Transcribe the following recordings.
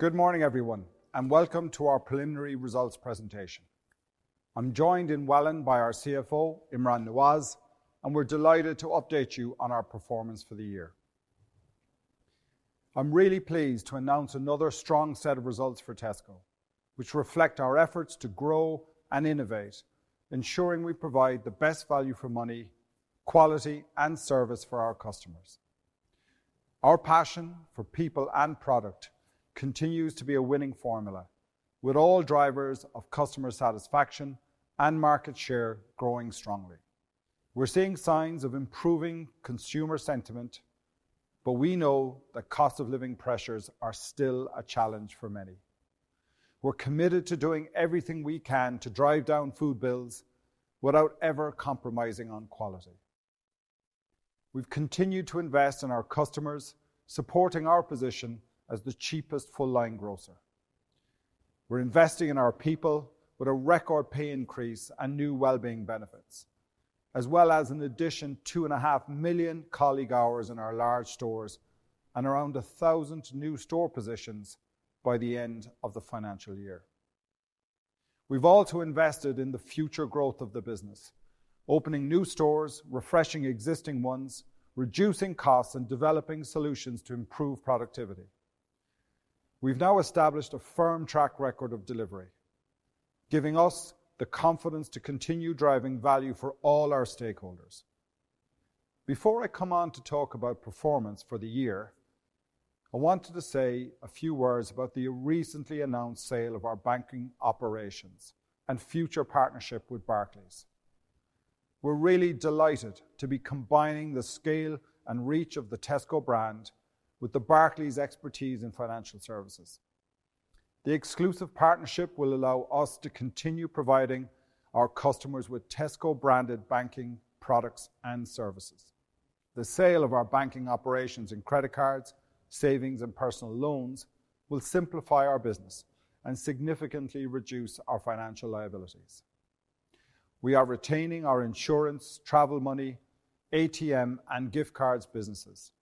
Good morning, everyone, and welcome to our preliminary results presentation. I'm joined in Welwyn by our CFO, Imran Nawaz, and we're delighted to update you on our performance for the year. I'm really pleased to announce another strong set of results for Tesco, which reflect our efforts to grow and innovate, ensuring we provide the best value for money, quality, and service for our customers. Our passion for people and product continues to be a winning formula, with all drivers of customer satisfaction and market share growing strongly. We're seeing signs of improving consumer sentiment, but we know that cost of living pressures are still a challenge for many. We're committed to doing everything we can to drive down food bills without ever compromising on quality. We've continued to invest in our customers, supporting our position as the cheapest full-line grocer. We're investing in our people with a record pay increase and new well-being benefits, as well as an additional 2.5 million colleague hours in our large stores and around 1,000 new store positions by the end of the financial year. We've also invested in the future growth of the business, opening new stores, refreshing existing ones, reducing costs, and developing solutions to improve productivity. We've now established a firm track record of delivery, giving us the confidence to continue driving value for all our stakeholders. Before I come on to talk about performance for the year, I wanted to say a few words about the recently announced sale of our banking operations and future partnership with Barclays. We're really delighted to be combining the scale and reach of the Tesco brand with the Barclays expertise in financial services. The exclusive partnership will allow us to continue providing our customers with Tesco-branded banking products and services. The sale of our banking operations and credit cards, savings, and personal loans will simplify our business and significantly reduce our financial liabilities. We are retaining our insurance, travel money, ATM, and gift cards businesses.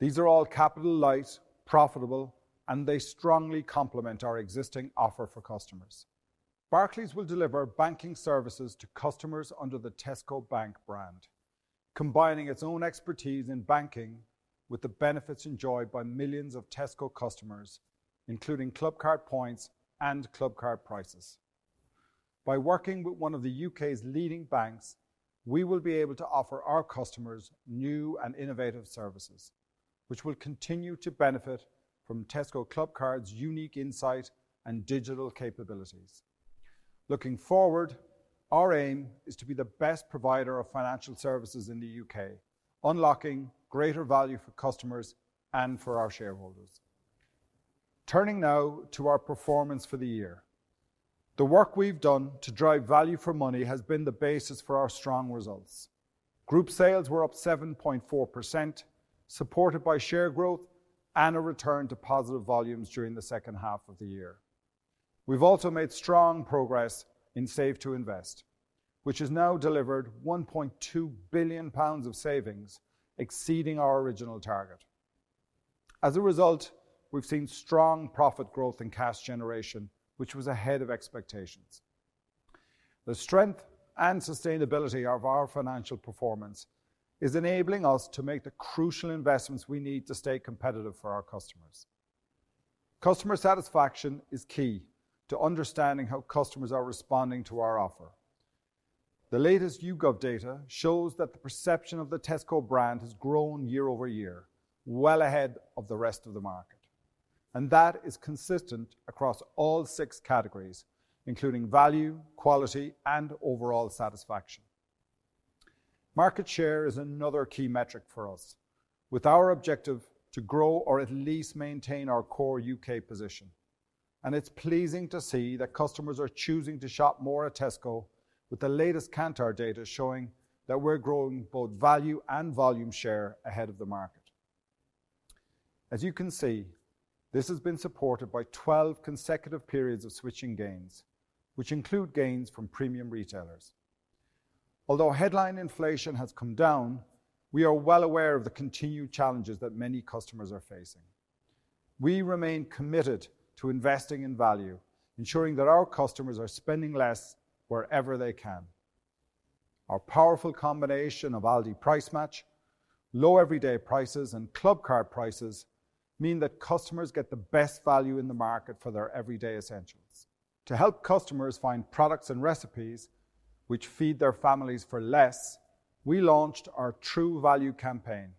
These are all capital light, profitable, and they strongly complement our existing offer for customers. Barclays will deliver banking services to customers under the Tesco Bank brand, combining its own expertise in banking with the benefits enjoyed by millions of Tesco customers, including Clubcard points and Clubcard prices. By working with one of the U.K.'s leading banks, we will be able to offer our customers new and innovative services, which will continue to benefit from Tesco Clubcard's unique insight and digital capabilities. Looking forward, our aim is to be the best provider of financial services in the U.K., unlocking greater value for customers and for our shareholders. Turning now to our performance for the year. The work we've done to drive value for money has been the basis for our strong results. Group sales were up 7.4%, supported by share growth and a return to positive volumes during the second half of the year. We've also made strong progress in Save to Invest, which has now delivered 1.2 billion pounds of savings, exceeding our original target. As a result, we've seen strong profit growth in cash generation, which was ahead of expectations. The strength and sustainability of our financial performance is enabling us to make the crucial investments we need to stay competitive for our customers. Customer satisfaction is key to understanding how customers are responding to our offer. The latest YouGov data shows that the perception of the Tesco brand has grown year-over-year, well ahead of the rest of the market, and that is consistent across all six categories, including value, quality, and overall satisfaction. Market share is another key metric for us, with our objective to grow or at least maintain our core U.K. position, and it's pleasing to see that customers are choosing to shop more at Tesco, with the latest Kantar data showing that we're growing both value and volume share ahead of the market. As you can see, this has been supported by 12 consecutive periods of switching gains, which include gains from premium retailers. Although headline inflation has come down, we are well aware of the continued challenges that many customers are facing. We remain committed to investing in value, ensuring that our customers are spending less wherever they can. Our powerful combination of Aldi Price Match, Low Everyday Prices, and Clubcard prices mean that customers get the best value in the market for their everyday essentials. To help customers find products and recipes which feed their families for less, we launched our True Value campaign,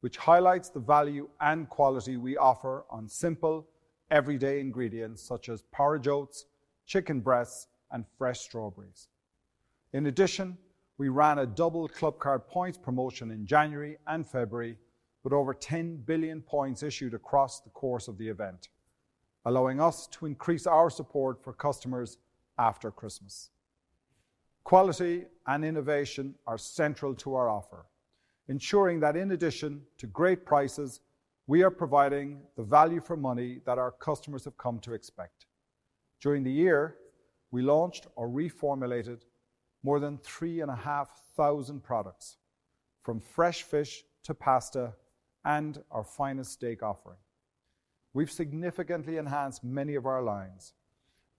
which highlights the value and quality we offer on simple, everyday ingredients such as porridge oats, chicken breasts, and fresh strawberries. In addition, we ran a double Clubcard points promotion in January and February, with over 10 billion points issued across the course of the event, allowing us to increase our support for customers after Christmas. Quality and innovation are central to our offer, ensuring that in addition to great prices, we are providing the value for money that our customers have come to expect. During the year, we launched or reformulated more than 3,500 products, from fresh fish to pasta and our Finest Steak offering. We've significantly enhanced many of our lines,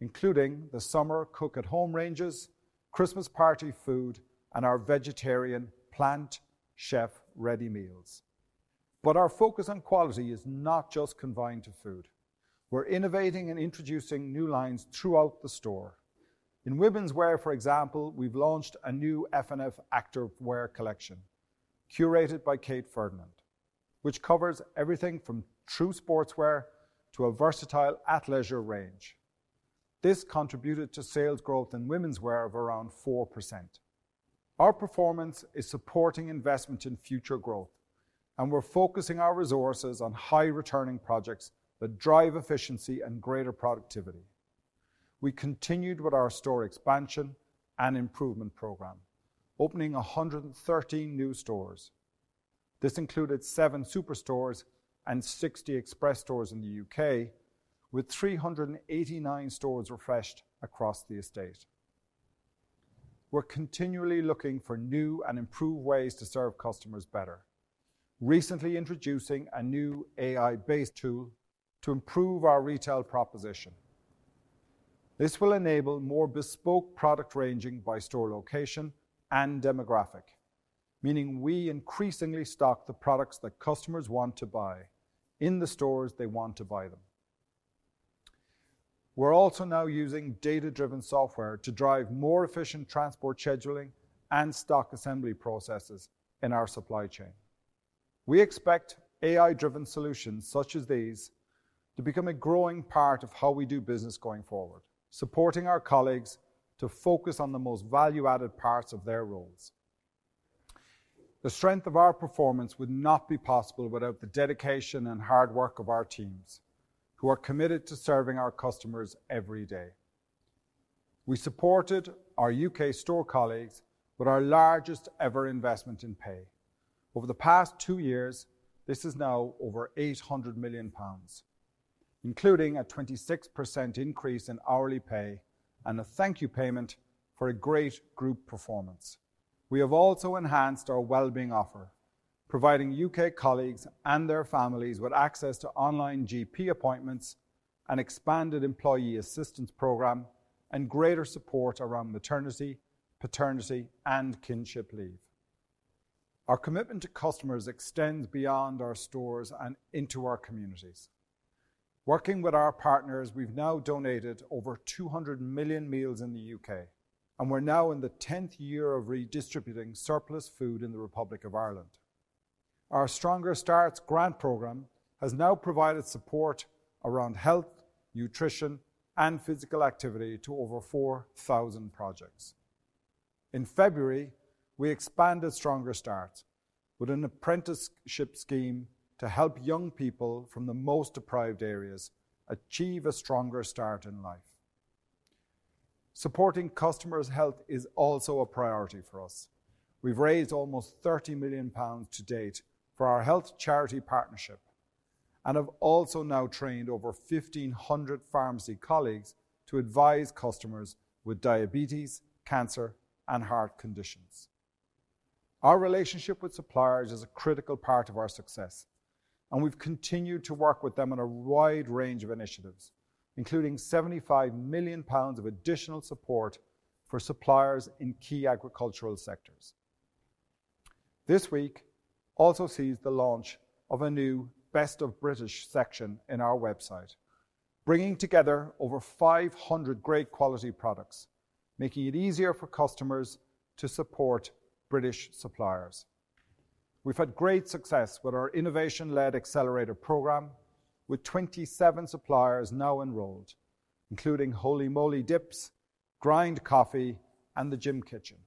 including the summer cook-at-home ranges, Christmas party food, and our vegetarian Plant Chef ready meals. But our focus on quality is not just confined to food. We're innovating and introducing new lines throughout the store. In womenswear, for example, we've launched a new F&F activewear collection curated by Kate Ferdinand, which covers everything from true sportswear to a versatile athleisure range. This contributed to sales growth in womenswear of around 4%. Our performance is supporting investment in future growth, and we're focusing our resources on high-returning projects that drive efficiency and greater productivity. We continued with our store expansion and improvement program, opening 113 new stores. This included seven superstores and 60 express stores in the U.K., with 389 stores refreshed across the estate. We're continually looking for new and improved ways to serve customers better, recently introducing a new AI-based tool to improve our retail proposition. This will enable more bespoke product ranging by store location and demographic, meaning we increasingly stock the products that customers want to buy in the stores they want to buy them. We're also now using data-driven software to drive more efficient transport scheduling and stock assembly processes in our supply chain. We expect AI-driven solutions such as these to become a growing part of how we do business going forward, supporting our colleagues to focus on the most value-added parts of their roles. The strength of our performance would not be possible without the dedication and hard work of our teams, who are committed to serving our customers every day. We supported our U.K. store colleagues with our largest ever investment in pay. Over the past two years, this is now over 800 million pounds, including a 26% increase in hourly pay and a thank you payment for a great group performance. We have also enhanced our wellbeing offer, providing U.K. colleagues and their families with access to online GP appointments, and expanded Employee Assistance Programme, and greater support around maternity, paternity, and kinship leave. Our commitment to customers extends beyond our stores and into our communities. Working with our partners, we've now donated over 200 million meals in the U.K., and we're now in the 10th year of redistributing surplus food in the Republic of Ireland. Our Stronger Starts grant program has now provided support around health, nutrition, and physical activity to over 4,000 projects. In February, we expanded Stronger Starts with an apprenticeship scheme to help young people from the most deprived areas achieve a stronger start in life. Supporting customers' health is also a priority for us. We've raised almost 30 million pounds to date for our health charity partnership, and have also now trained over 1,500 pharmacy colleagues to advise customers with diabetes, cancer, and heart conditions. Our relationship with suppliers is a critical part of our success, and we've continued to work with them on a wide range of initiatives, including 75 million pounds of additional support for suppliers in key agricultural sectors. This week also sees the launch of a new Best of British section in our website, bringing together over 500 great quality products, making it easier for customers to support British suppliers. We've had great success with our innovation-led accelerator program, with 27 suppliers now enrolled, including Holy Moly Dips, Grind Coffee, and the Gym Kitchen.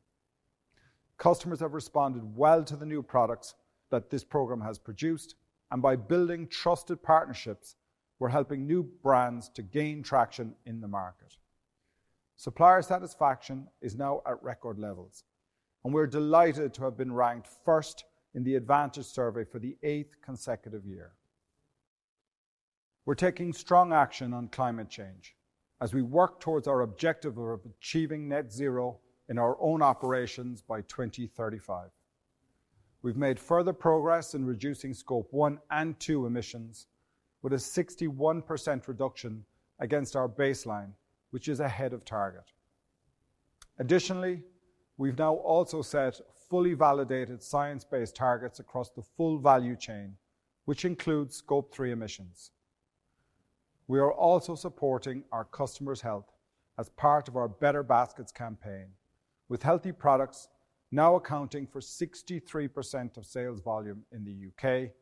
Customers have responded well to the new products that this program has produced, and by building trusted partnerships, we're helping new brands to gain traction in the market. Supplier satisfaction is now at record levels, and we're delighted to have been ranked first in the Advantage Survey for the 8th consecutive year. We're taking strong action on climate change as we work towards our objective of achieving net zero in our own operations by 2035. We've made further progress in reducing Scope 1 and 2 emissions, with a 61% reduction against our baseline, which is ahead of target. Additionally, we've now also set fully validated science-based targets across the full value chain, which includes Scope 3 emissions. We are also supporting our customers' health as part of our Better Baskets campaign, with healthy products now accounting for 63% of sales volume in the U.K.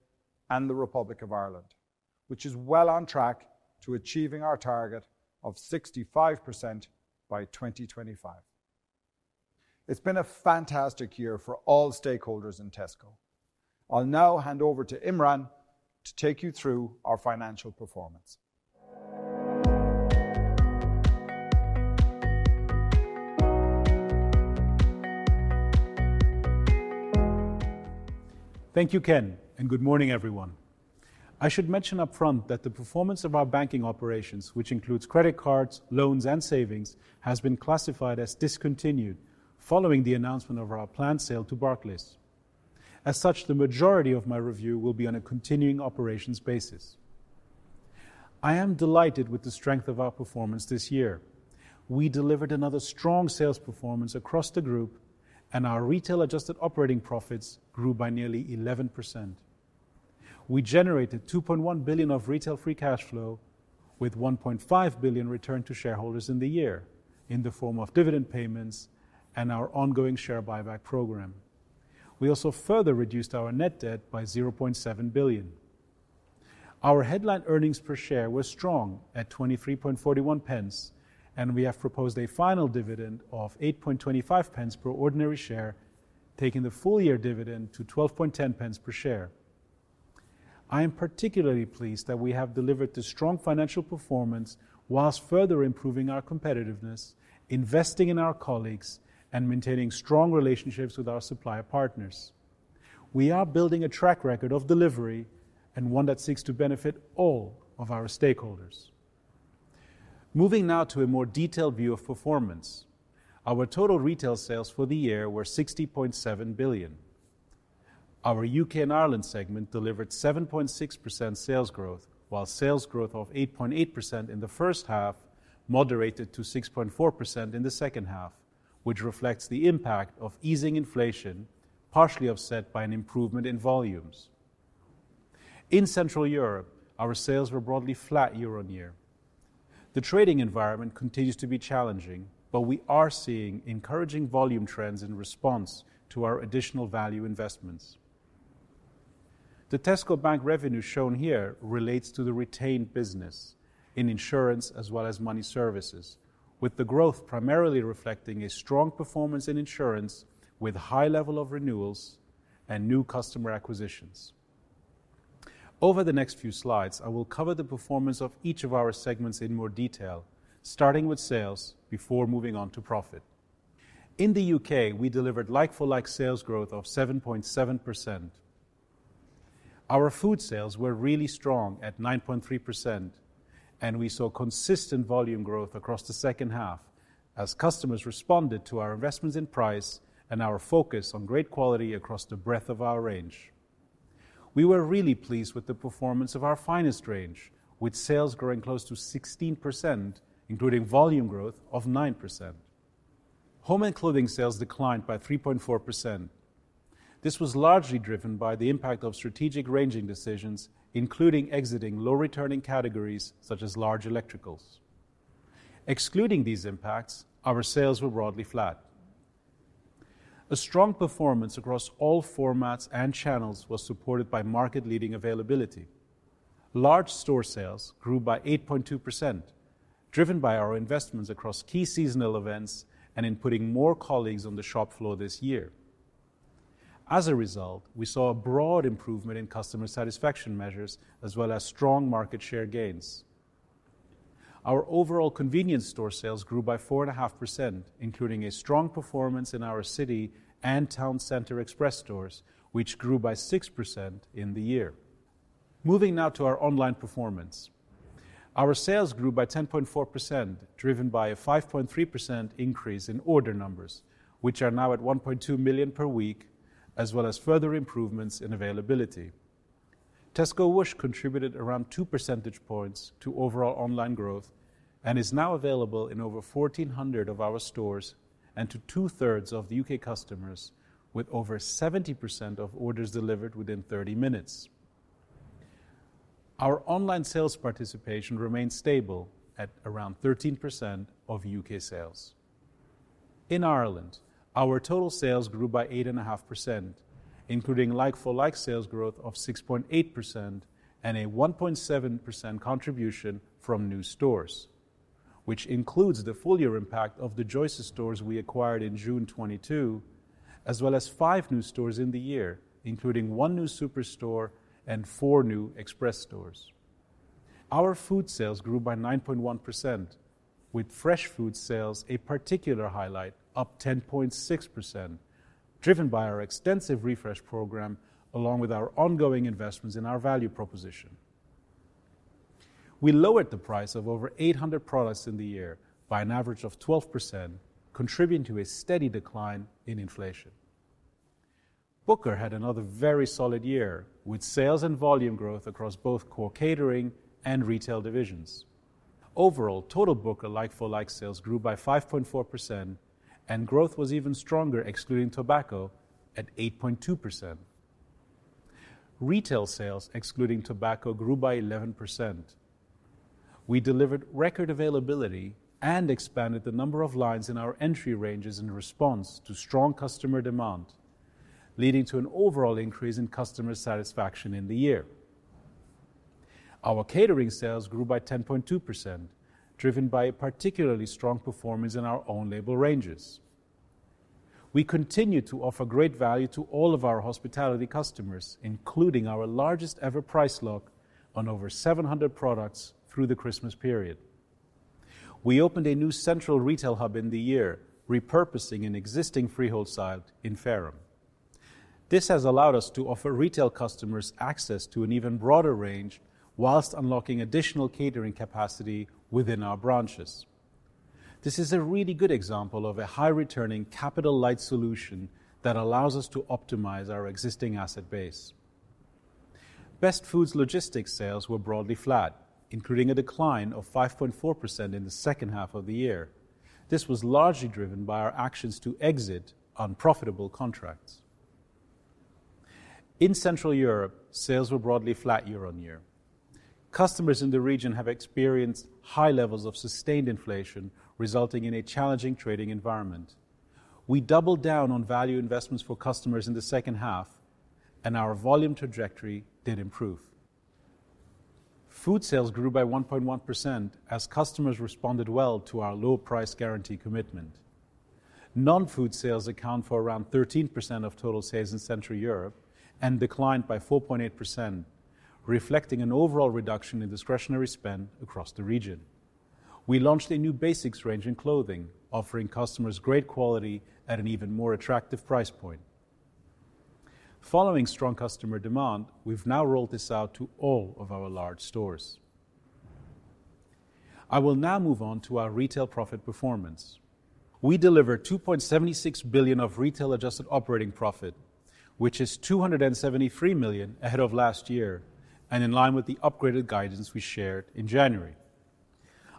and the Republic of Ireland, which is well on track to achieving our target of 65% by 2025. It's been a fantastic year for all stakeholders in Tesco. I'll now hand over to Imran to take you through our financial performance. Thank you, Ken, and good morning, everyone. I should mention upfront that the performance of our banking operations, which includes credit cards, loans, and savings, has been classified as discontinued following the announcement of our planned sale to Barclays. As such, the majority of my review will be on a continuing operations basis. I am delighted with the strength of our performance this year. We delivered another strong sales performance across the group, and our retail adjusted operating profits grew by nearly 11%. We generated 2.1 billion of retail free cash flow, with 1.5 billion returned to shareholders in the year in the form of dividend payments and our ongoing share buyback program. We also further reduced our net debt by 0.7 billion. Our headline earnings per share were strong at 23.41 pence, and we have proposed a final dividend of 8.25 pence per ordinary share, taking the full year dividend to 12.10 pence per share. I am particularly pleased that we have delivered the strong financial performance while further improving our competitiveness, investing in our colleagues, and maintaining strong relationships with our supplier partners. We are building a track record of delivery and one that seeks to benefit all of our stakeholders. Moving now to a more detailed view of performance. Our total retail sales for the year were 60.7 billion. Our U.K. and Ireland segment delivered 7.6% sales growth, while sales growth of 8.8% in the first half moderated to 6.4% in the second half, which reflects the impact of easing inflation, partially offset by an improvement in volumes. In Central Europe, our sales were broadly flat year-over-year. The trading environment continues to be challenging, but we are seeing encouraging volume trends in response to our additional value investments. The Tesco Bank revenue shown here relates to the retained business in insurance as well as money services, with the growth primarily reflecting a strong performance in insurance with high level of renewals and new customer acquisitions. Over the next few slides, I will cover the performance of each of our segments in more detail, starting with sales before moving on to profit. In the U.K., we delivered like-for-like sales growth of 7.7%. Our food sales were really strong at 9.3%, and we saw consistent volume growth across the second half as customers responded to our investments in price and our focus on great quality across the breadth of our range. We were really pleased with the performance of our Finest range, with sales growing close to 16%, including volume growth of 9%. Home and clothing sales declined by 3.4%. This was largely driven by the impact of strategic ranging decisions, including exiting low-returning categories such as large electricals. Excluding these impacts, our sales were broadly flat. A strong performance across all formats and channels was supported by market-leading availability. Large store sales grew by 8.2%, driven by our investments across key seasonal events and in putting more colleagues on the shop floor this year. As a result, we saw a broad improvement in customer satisfaction measures as well as strong market share gains. Our overall convenience store sales grew by 4.5%, including a strong performance in our city and town center express stores, which grew by 6% in the year. Moving now to our online performance. Our sales grew by 10.4%, driven by a 5.3% increase in order numbers, which are now at 1.2 million per week, as well as further improvements in availability. Tesco Whoosh contributed around 2 percentage points to overall online growth and is now available in over 1,400 of our stores and to two-thirds of the U.K. customers, with over 70% of orders delivered within 30 minutes. Our online sales participation remains stable at around 13% of U.K. sales. In Ireland, our total sales grew by 8.5%, including like-for-like sales growth of 6.8% and a 1.7% contribution from new stores, which includes the full-year impact of the Joyce's stores we acquired in June 2022, as well as five new stores in the year, including one new superstore and four new express stores. Our food sales grew by 9.1%, with fresh food sales a particular highlight, up 10.6%, driven by our extensive refresh program, along with our ongoing investments in our value proposition. We lowered the price of over 800 products in the year by an average of 12%, contributing to a steady decline in inflation. Booker had another very solid year, with sales and volume growth across both core catering and retail divisions. Overall, total Booker like-for-like sales grew by 5.4%, and growth was even stronger, excluding tobacco at 8.2%. Retail sales, excluding tobacco, grew by 11%. We delivered record availability and expanded the number of lines in our entry ranges in response to strong customer demand, leading to an overall increase in customer satisfaction in the year. Our catering sales grew by 10.2%, driven by a particularly strong performance in our own label ranges. We continue to offer great value to all of our hospitality customers, including our largest ever price lock on over 700 products through the Christmas period. We opened a new central retail hub in the year, repurposing an existing freehold site in Fareham. This has allowed us to offer retail customers access to an even broader range, while unlocking additional catering capacity within our branches. This is a really good example of a high-returning, capital-light solution that allows us to optimize our existing asset base. Best Food Logistics sales were broadly flat, including a decline of 5.4% in the second half of the year. This was largely driven by our actions to exit unprofitable contracts. In Central Europe, sales were broadly flat year-on-year. Customers in the region have experienced high levels of sustained inflation, resulting in a challenging trading environment. We doubled down on value investments for customers in the second half, and our volume trajectory did improve. Food sales grew by 1.1% as customers responded well to our low price guarantee commitment. Non-food sales account for around 13% of total sales in Central Europe and declined by 4.8%, reflecting an overall reduction in discretionary spend across the region. We launched a new basics range in clothing, offering customers great quality at an even more attractive price point. Following strong customer demand, we've now rolled this out to all of our large stores. I will now move on to our retail profit performance. We delivered 2.76 billion of retail adjusted operating profit, which is 273 million ahead of last year and in line with the upgraded guidance we shared in January.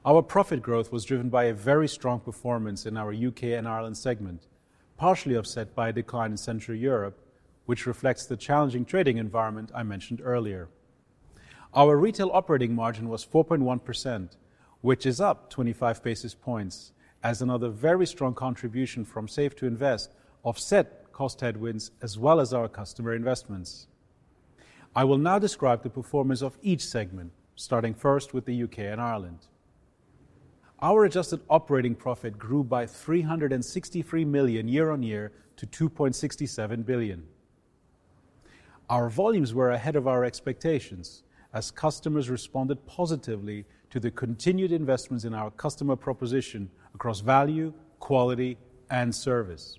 Our profit growth was driven by a very strong performance in our U.K. and Ireland segment, partially offset by a decline in Central Europe, which reflects the challenging trading environment I mentioned earlier. Our retail operating margin was 4.1%, which is up 25 basis points, as another very strong contribution from Save to Invest offset cost headwinds as well as our customer investments. I will now describe the performance of each segment, starting first with the U.K. and Ireland. Our adjusted operating profit grew by 363 million year-on-year to 2.67 billion. Our volumes were ahead of our expectations as customers responded positively to the continued investments in our customer proposition across value, quality, and service.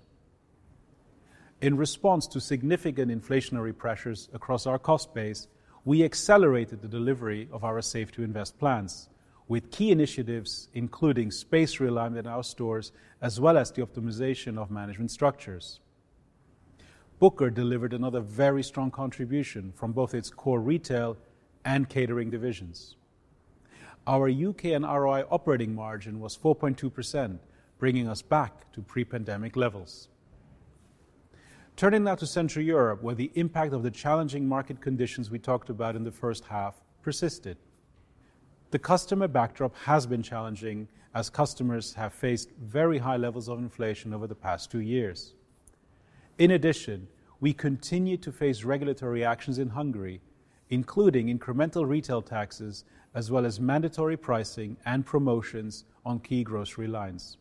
In response to significant inflationary pressures across our cost base, we accelerated the delivery of our Save to Invest plans, with key initiatives including space realignment in our stores, as well as the optimization of management structures. Booker delivered another very strong contribution from both its core retail and catering divisions. Our U.K. and ROI operating margin was 4.2%, bringing us back to pre-pandemic levels. Turning now to Central Europe, where the impact of the challenging market conditions we talked about in the first half persisted. The customer backdrop has been challenging as customers have faced very high levels of inflation over the past two years. In addition, we continue to face regulatory actions in Hungary, including incremental retail taxes, as well as mandatory pricing and promotions on key grocery lines.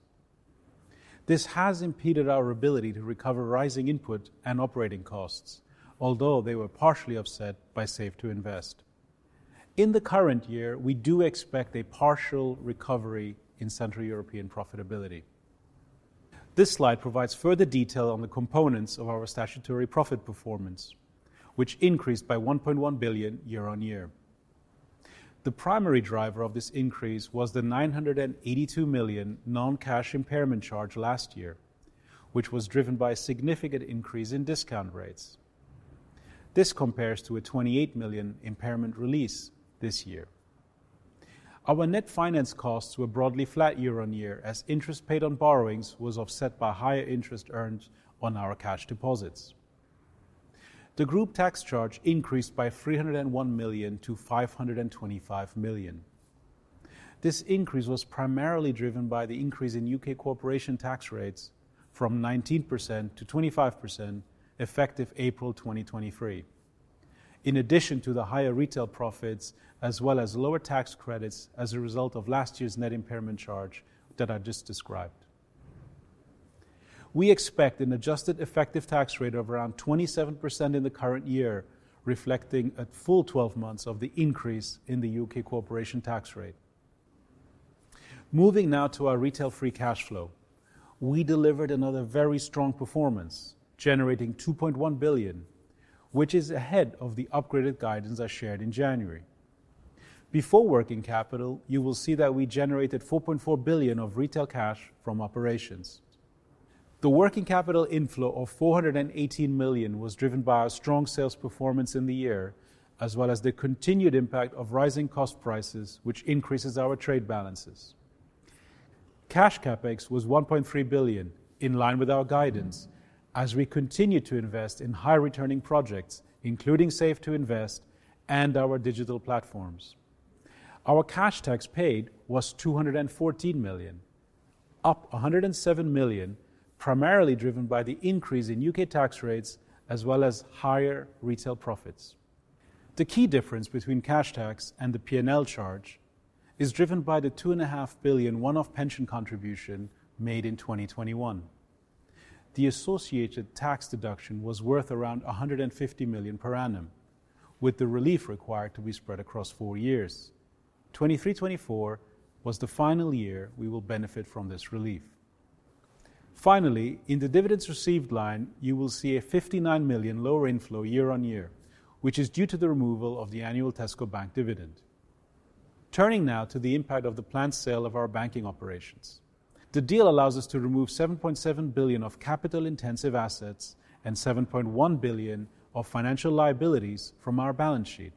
This has impeded our ability to recover rising input and operating costs, although they were partially offset by Save to Invest. In the current year, we do expect a partial recovery in Central European profitability. This slide provides further detail on the components of our statutory profit performance, which increased by 1.1 billion year-over-year. The primary driver of this increase was the 982 million non-cash impairment charge last year, which was driven by a significant increase in discount rates. This compares to a 28 million impairment release this year. Our net finance costs were broadly flat year-over-year, as interest paid on borrowings was offset by higher interest earned on our cash deposits. The group tax charge increased by 301 million to 525 million. This increase was primarily driven by the increase in U.K. corporation tax rates from 19% to 25%, effective April 2023. In addition to the higher retail profits, as well as lower tax credits as a result of last year's net impairment charge that I just described. We expect an adjusted effective tax rate of around 27% in the current year, reflecting a full 12 months of the increase in the U.K. corporation tax rate. Moving now to our retail free cash flow. We delivered another very strong performance, generating 2.1 billion, which is ahead of the upgraded guidance I shared in January. Before working capital, you will see that we generated 4.4 billion of retail cash from operations. The working capital inflow of 418 million was driven by our strong sales performance in the year, as well as the continued impact of rising cost prices, which increases our trade balances. Cash CapEx was 1.3 billion, in line with our guidance, as we continue to invest in high-returning projects, including Save to Invest and our digital platforms. Our cash tax paid was 214 million, up 107 million, primarily driven by the increase in U.K. tax rates as well as higher retail profits. The key difference between cash tax and the P&L charge is driven by the 2.5 billion one-off pension contribution made in 2021. The associated tax deduction was worth around 150 million per annum, with the relief required to be spread across four years. 2023-2024 was the final year we will benefit from this relief. Finally, in the dividends received line, you will see a 59 million lower inflow year-over-year, which is due to the removal of the annual Tesco Bank dividend. Turning now to the impact of the planned sale of our banking operations. The deal allows us to remove 7.7 billion of capital-intensive assets and 7.1 billion of financial liabilities from our balance sheet.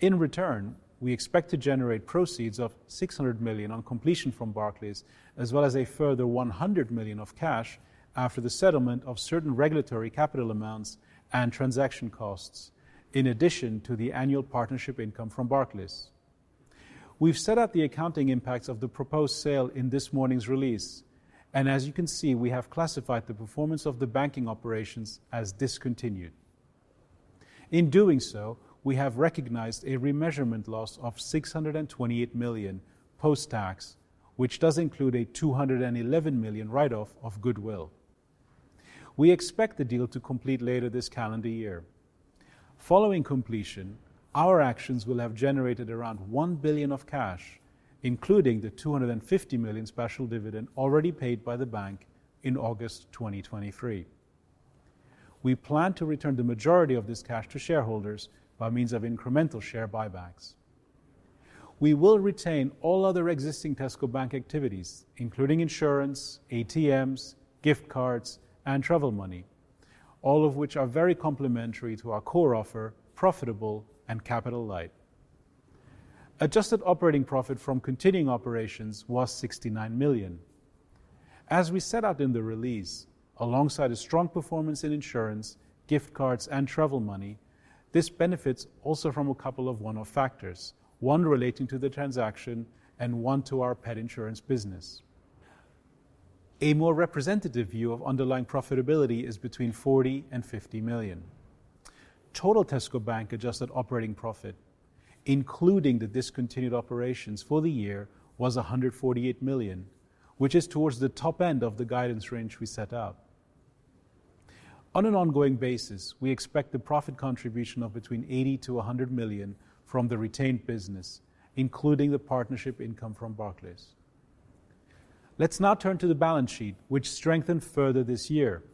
In return, we expect to generate proceeds of 600 million on completion from Barclays, as well as a further 100 million of cash after the settlement of certain regulatory capital amounts and transaction costs, in addition to the annual partnership income from Barclays. We've set out the accounting impacts of the proposed sale in this morning's release, and as you can see, we have classified the performance of the banking operations as discontinued. In doing so, we have recognized a remeasurement loss of 628 million post-tax, which does include a 211 million write-off of goodwill. We expect the deal to complete later this calendar year. Following completion, our actions will have generated around 1 billion of cash, including the 250 million special dividend already paid by the bank in August 2023. We plan to return the majority of this cash to shareholders by means of incremental share buybacks. We will retain all other existing Tesco Bank activities, including insurance, ATMs, gift cards, and travel money, all of which are very complementary to our core offer, profitable and capital light. Adjusted operating profit from continuing operations was 69 million. As we set out in the release, alongside a strong performance in insurance, gift cards, and travel money, this benefits also from a couple of one-off factors, one relating to the transaction and one to our pet insurance business. A more representative view of underlying profitability is between 40 million and 50 million. Total Tesco Bank adjusted operating profit, including the discontinued operations for the year, was 148 million, which is towards the top end of the guidance range we set out. On an ongoing basis, we expect the profit contribution of between 80 million-100 million from the retained business, including the partnership income from Barclays. Let's now turn to the balance sheet, which strengthened further this year.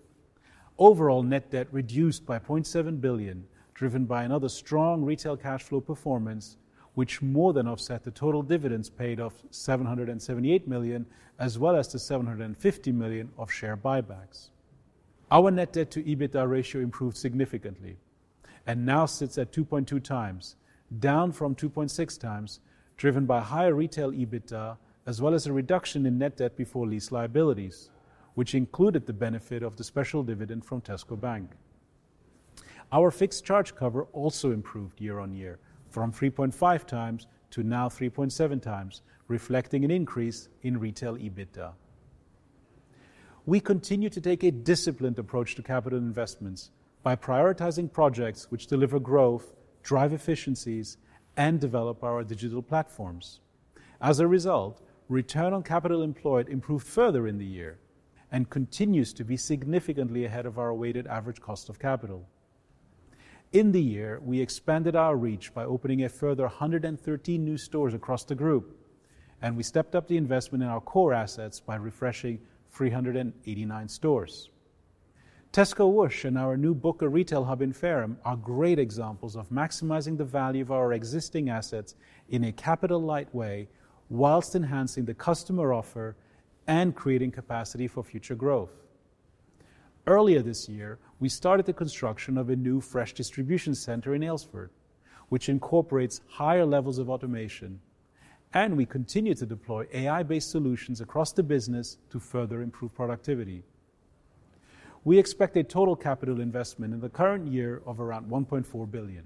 Overall, net debt reduced by 0.7 billion, driven by another strong retail cash flow performance, which more than offset the total dividends paid of 778 million, as well as the 750 million of share buybacks. Our net debt to EBITDA ratio improved significantly and now sits at 2.2 times, down from 2.6 times, driven by higher retail EBITDA, as well as a reduction in net debt before lease liabilities, which included the benefit of the special dividend from Tesco Bank. Our fixed charge cover also improved year on year from 3.5 times to now 3.7 times, reflecting an increase in retail EBITDA. We continue to take a disciplined approach to capital investments by prioritizing projects which deliver growth, drive efficiencies, and develop our digital platforms. As a result, return on capital employed improved further in the year and continues to be significantly ahead of our weighted average cost of capital. In the year, we expanded our reach by opening a further 113 new stores across the group, and we stepped up the investment in our core assets by refreshing 389 stores. Tesco Whoosh and our new Booker Retail Hub in Fareham are great examples of maximizing the value of our existing assets in a capital-light way, while enhancing the customer offer and creating capacity for future growth. Earlier this year, we started the construction of a new fresh distribution center in Aylesford, which incorporates higher levels of automation, and we continue to deploy AI-based solutions across the business to further improve productivity. We expect a total capital investment in the current year of around 1.4 billion.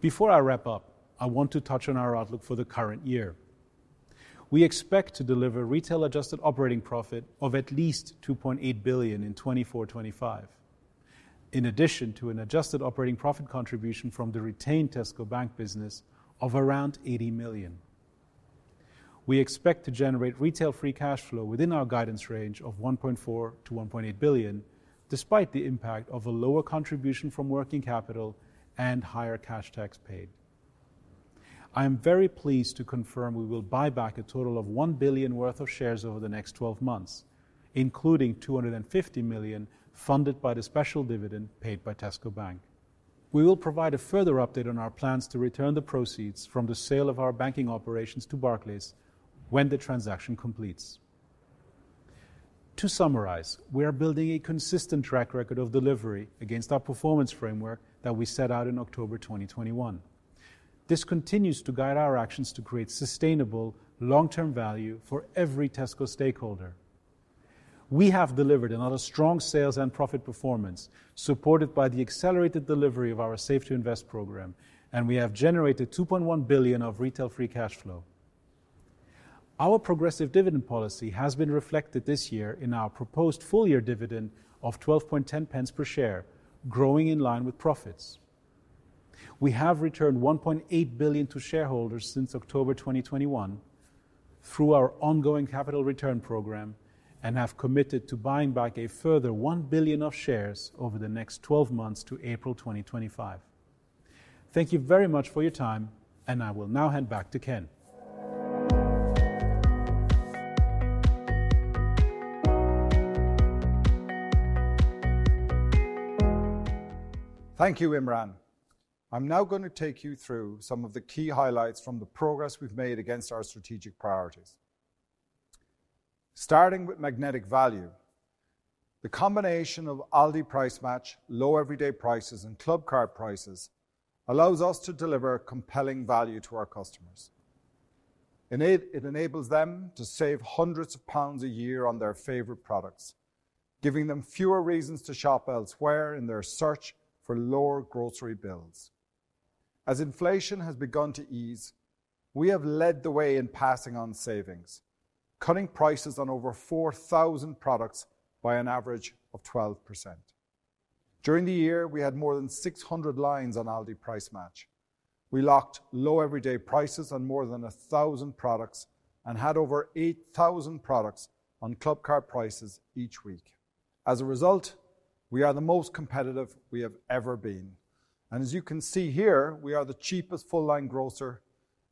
Before I wrap up, I want to touch on our outlook for the current year. We expect to deliver retail adjusted operating profit of at least 2.8 billion in 2024/25. In addition to an adjusted operating profit contribution from the retained Tesco Bank business of around 80 million, we expect to generate retail free cash flow within our guidance range of 1.4 billion-1.8 billion, despite the impact of a lower contribution from working capital and higher cash tax paid. I am very pleased to confirm we will buy back a total of 1 billion worth of shares over the next twelve months, including 250 million funded by the special dividend paid by Tesco Bank. We will provide a further update on our plans to return the proceeds from the sale of our banking operations to Barclays when the transaction completes. To summarize, we are building a consistent track record of delivery against our performance framework that we set out in October 2021. This continues to guide our actions to create sustainable long-term value for every Tesco stakeholder. We have delivered another strong sales and profit performance, supported by the accelerated delivery of our Save to Invest program, and we have generated 2.1 billion of retail free cash flow. Our progressive dividend policy has been reflected this year in our proposed full-year dividend of 12.10 pence per share, growing in line with profits. We have returned 1.8 billion to shareholders since October 2021, through our ongoing capital return program, and have committed to buying back a further 1 billion of shares over the next 12 months to April 2025. Thank you very much for your time, and I will now hand back to Ken. Thank you, Imran. I'm now going to take you through some of the key highlights from the progress we've made against our strategic priorities. Starting with Magnetic Value, the combination of Aldi Price Match, Low Everyday Prices, and Clubcard Prices allows us to deliver compelling value to our customers. It enables them to save hundreds of GBP a year on their favorite products, giving them fewer reasons to shop elsewhere in their search for lower grocery bills. As inflation has begun to ease, we have led the way in passing on savings, cutting prices on over 4,000 products by an average of 12%. During the year, we had more than 600 lines on Aldi Price Match. We locked Low Everyday Prices on more than 1,000 products and had over 8,000 products on Clubcard Prices each week. As a result, we are the most competitive we have ever been, and as you can see here, we are the cheapest full-line grocer,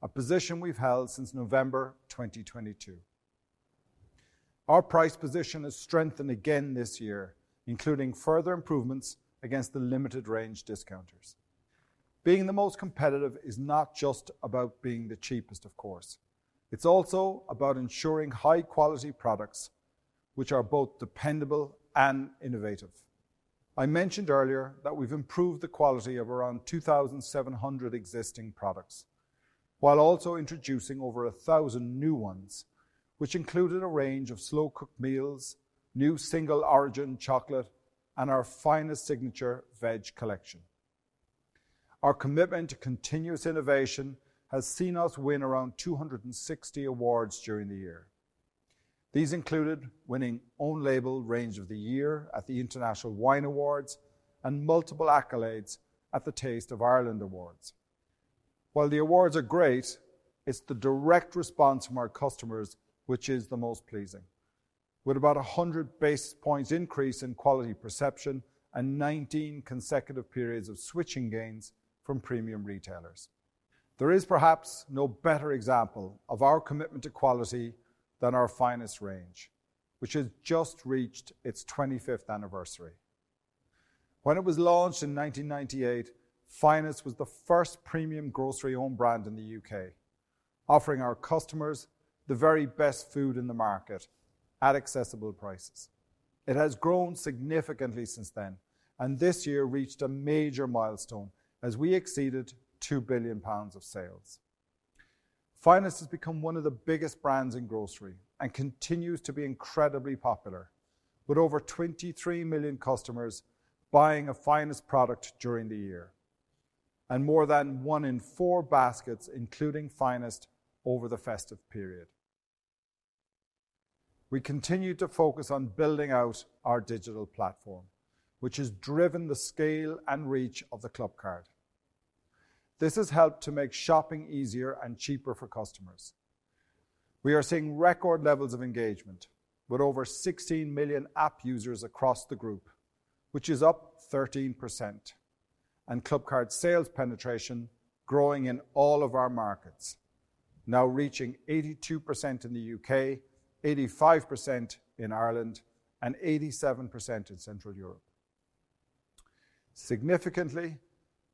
a position we've held since November 2022. Our price position has strengthened again this year, including further improvements against the limited range discounters. Being the most competitive is not just about being the cheapest, of course. It's also about ensuring high-quality products, which are both dependable and innovative. I mentioned earlier that we've improved the quality of around 2,700 existing products, while also introducing over 1,000 new ones, which included a range of slow-cooked meals, new single-origin chocolate, and our Finest signature veg collection. Our commitment to continuous innovation has seen us win around 260 awards during the year. These included winning Own Label Range of the Year at the International Wine Awards and Multiple Accolades at the Taste of Ireland Awards. While the awards are great, it's the direct response from our customers which is the most pleasing, with about 100 basis points increase in quality perception and 19 consecutive periods of switching gains from premium retailers. There is perhaps no better example of our commitment to quality than our Finest range, which has just reached its 25th anniversary. When it was launched in 1998, Finest was the first premium grocery own brand in the U.K., offering our customers the very best food in the market at accessible prices. It has grown significantly since then, and this year reached a major milestone as we exceeded 2 billion pounds of sales. Finest has become one of the biggest brands in grocery and continues to be incredibly popular, with over 23 million customers buying a Finest product during the year, and more than one in four baskets including Finest over the festive period. We continued to focus on building out our digital platform, which has driven the scale and reach of the Clubcard. This has helped to make shopping easier and cheaper for customers. We are seeing record levels of engagement, with over 16 million app users across the group, which is up 13%, and Clubcard sales penetration growing in all of our markets, now reaching 82% in the U.K., 85% in Ireland, and 87% in Central Europe. Significantly,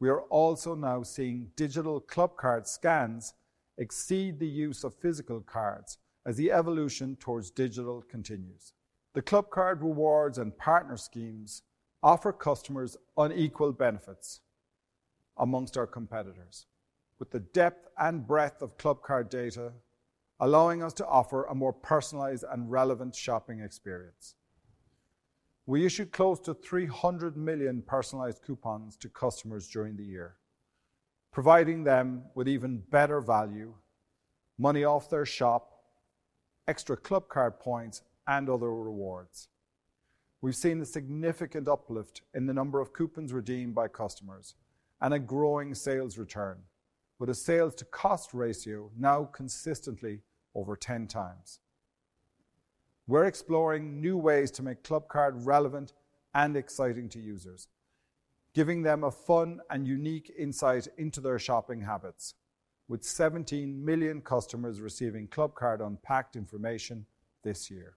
we are also now seeing digital Clubcard scans exceed the use of physical cards as the evolution towards digital continues. The Clubcard rewards and partner schemes offer customers unequal benefits among our competitors, with the depth and breadth of Clubcard data allowing us to offer a more personalized and relevant shopping experience. We issued close to 300 million personalized coupons to customers during the year, providing them with even better value, money off their shop, extra Clubcard points, and other rewards. We've seen a significant uplift in the number of coupons redeemed by customers and a growing sales return, with a sales to cost ratio now consistently over 10 times. We're exploring new ways to make Clubcard relevant and exciting to users, giving them a fun and unique insight into their shopping habits, with 17 million customers receiving Clubcard Unpacked information this year.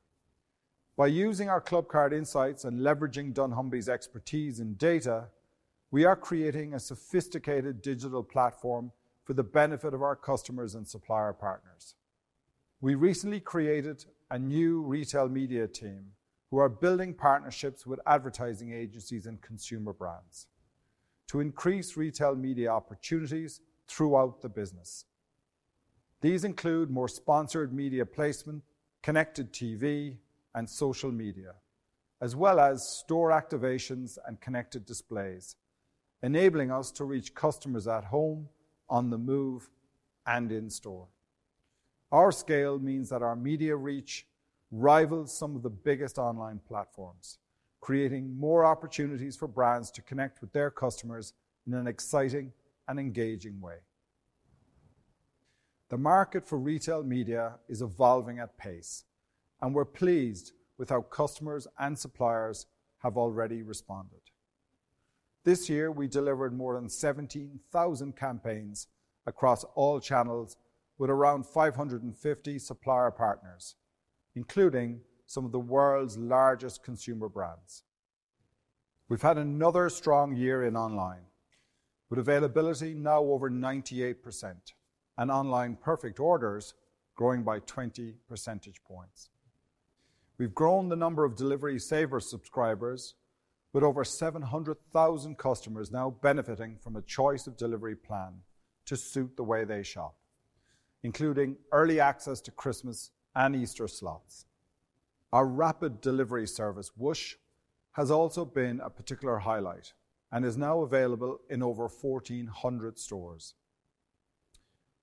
By using our Clubcard insights and leveraging dunnhumby's expertise in data, we are creating a sophisticated digital platform for the benefit of our customers and supplier partners. We recently created a retail media team, who are building partnerships with advertising agencies and consumer brands to retail media opportunities throughout the business. These include more sponsored media placement, connected TV, and social media, as well as store activations and connected displays, enabling us to reach customers at home, on the move, and in store. Our scale means that our media reach rivals some of the biggest online platforms, creating more opportunities for brands to connect with their customers in an exciting and engaging way. The market retail media is evolving at pace, and we're pleased with how customers and suppliers have already responded. This year, we delivered more than 17,000 campaigns across all channels, with around 550 supplier partners, including some of the world's largest consumer brands. We've had another strong year in online, with availability now over 98% and online perfect orders growing by 20 percentage points. We've grown the number of Delivery Saver subscribers, with over 700,000 customers now benefiting from a choice of delivery plan to suit the way they shop, including early access to Christmas and Easter slots. Our rapid delivery service, Whoosh, has also been a particular highlight and is now available in over 1,400 stores.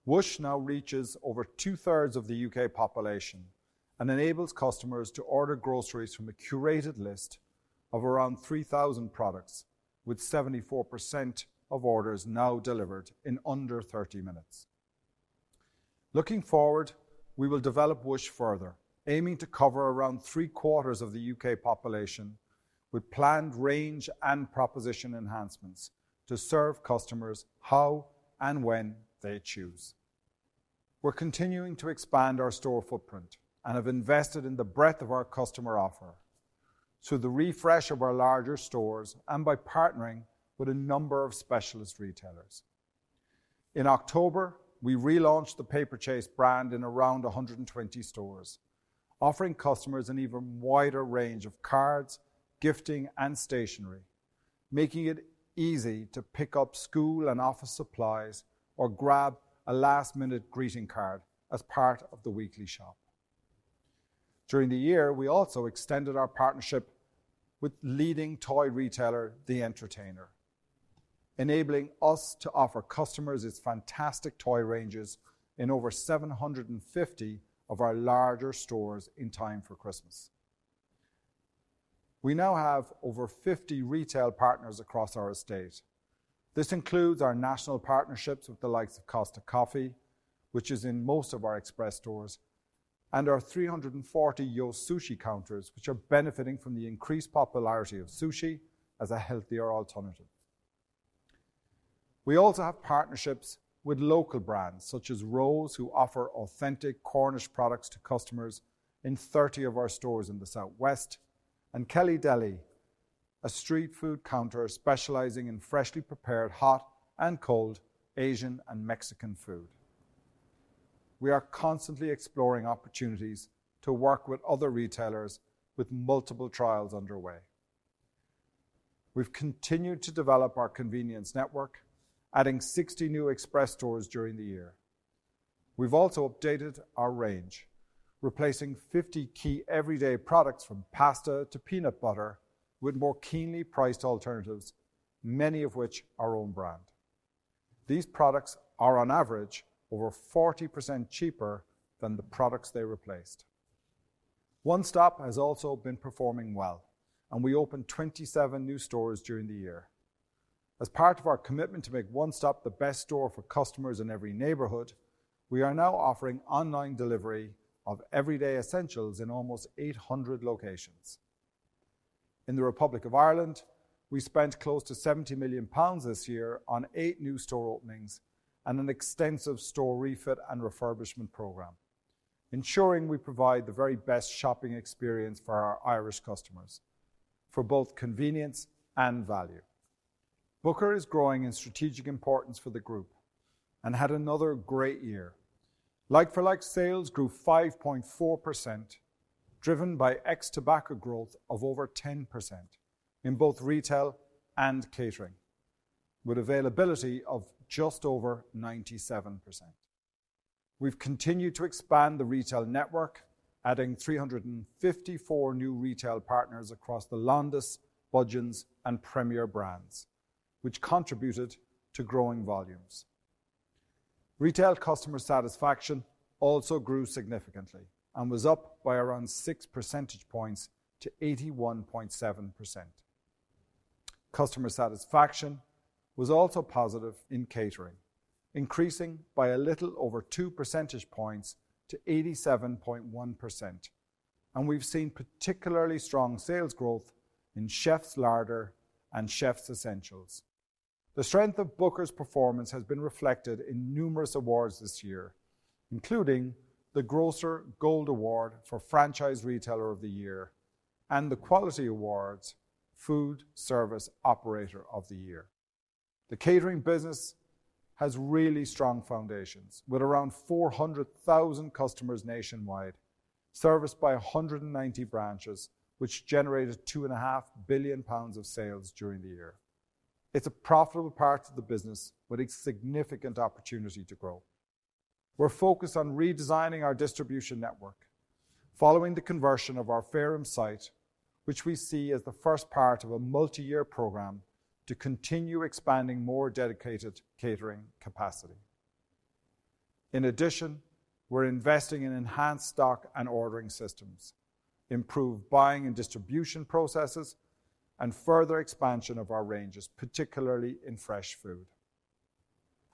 Whoosh now reaches over two-thirds of the U.K. population and enables customers to order groceries from a curated list of around 3,000 products, with 74% of orders now delivered in under 30 minutes. Looking forward, we will develop Whoosh further, aiming to cover around three-quarters of the U.K. population with planned range and proposition enhancements to serve customers how and when they choose. We're continuing to expand our store footprint and have invested in the breadth of our customer offer through the refresh of our larger stores and by partnering with a number of specialist retailers. In October, we relaunched the Paperchase brand in around 120 stores, offering customers an even wider range of cards, gifting, and stationery, making it easy to pick up school and office supplies or grab a last-minute greeting card as part of the weekly shop. During the year, we also extended our partnership with leading toy retailer, The Entertainer, enabling us to offer customers its fantastic toy ranges in over 750 of our larger stores in time for Christmas. We now have over 50 retail partners across our estate. This includes our national partnerships with the likes of Costa Coffee, which is in most of our Express stores, and our 340 YO! Sushi counters, which are benefiting from the increased popularity of sushi as a healthier alternative. We also have partnerships with local brands, such as Rowe's, who offer authentic Cornish products to customers in 30 of our stores in the South West, and KellyDeli, a street food counter specializing in freshly prepared hot and cold Asian and Mexican food. We are constantly exploring opportunities to work with other retailers, with multiple trials underway. Weve continued to develop our convenience network, adding 60 new Express stores during the year. We've also updated our range, replacing 50 key everyday products, from pasta to peanut butter, with more keenly priced alternatives, many of which are own brand. These products are on average over 40% cheaper than the products they replaced. One Stop has also been performing well, and we opened 27 new stores during the year. As part of our commitment to make One Stop the best store for customers in every neighborhood, we are now offering online delivery of everyday essentials in almost 800 locations. In the Republic of Ireland, we spent close to 70 million pounds this year on eight new store openings and an extensive store refit and refurbishment program, ensuring we provide the very best shopping experience for our Irish customers for both convenience and value. Booker is growing in strategic importance for the group and had another great year. Like-for-like sales grew 5.4%, driven by ex-tobacco growth of over 10% in both retail and catering, with availability of just over 97%. We've continued to expand the retail network, adding 354 new retail partners across the Londis, Budgens, and Premier brands, which contributed to growing volumes. Retail customer satisfaction also grew significantly and was up by around 6 percentage points to 81.7%. Customer satisfaction was also positive in catering, increasing by a little over 2 percentage points to 87.1%, and we've seen particularly strong sales growth in Chef's Larder and Chef's Essentials. The strength of Booker's performance has been reflected in numerous awards this year, including the Grocer Gold Award for Franchise Retailer of the Year and the Quality Awards' Food Service Operator of the Year. The catering business has really strong foundations, with around 400,000 customers nationwide, serviced by 190 branches, which generated 2.5 billion pounds of sales during the year. It's a profitable part of the business with a significant opportunity to grow. We're focused on redesigning our distribution network following the conversion of our Fareham site, which we see as the first part of a multi-year program to continue expanding more dedicated catering capacity. In addition, we're investing in enhanced stock and ordering systems, improved buying and distribution processes, and further expansion of our ranges, particularly in fresh food.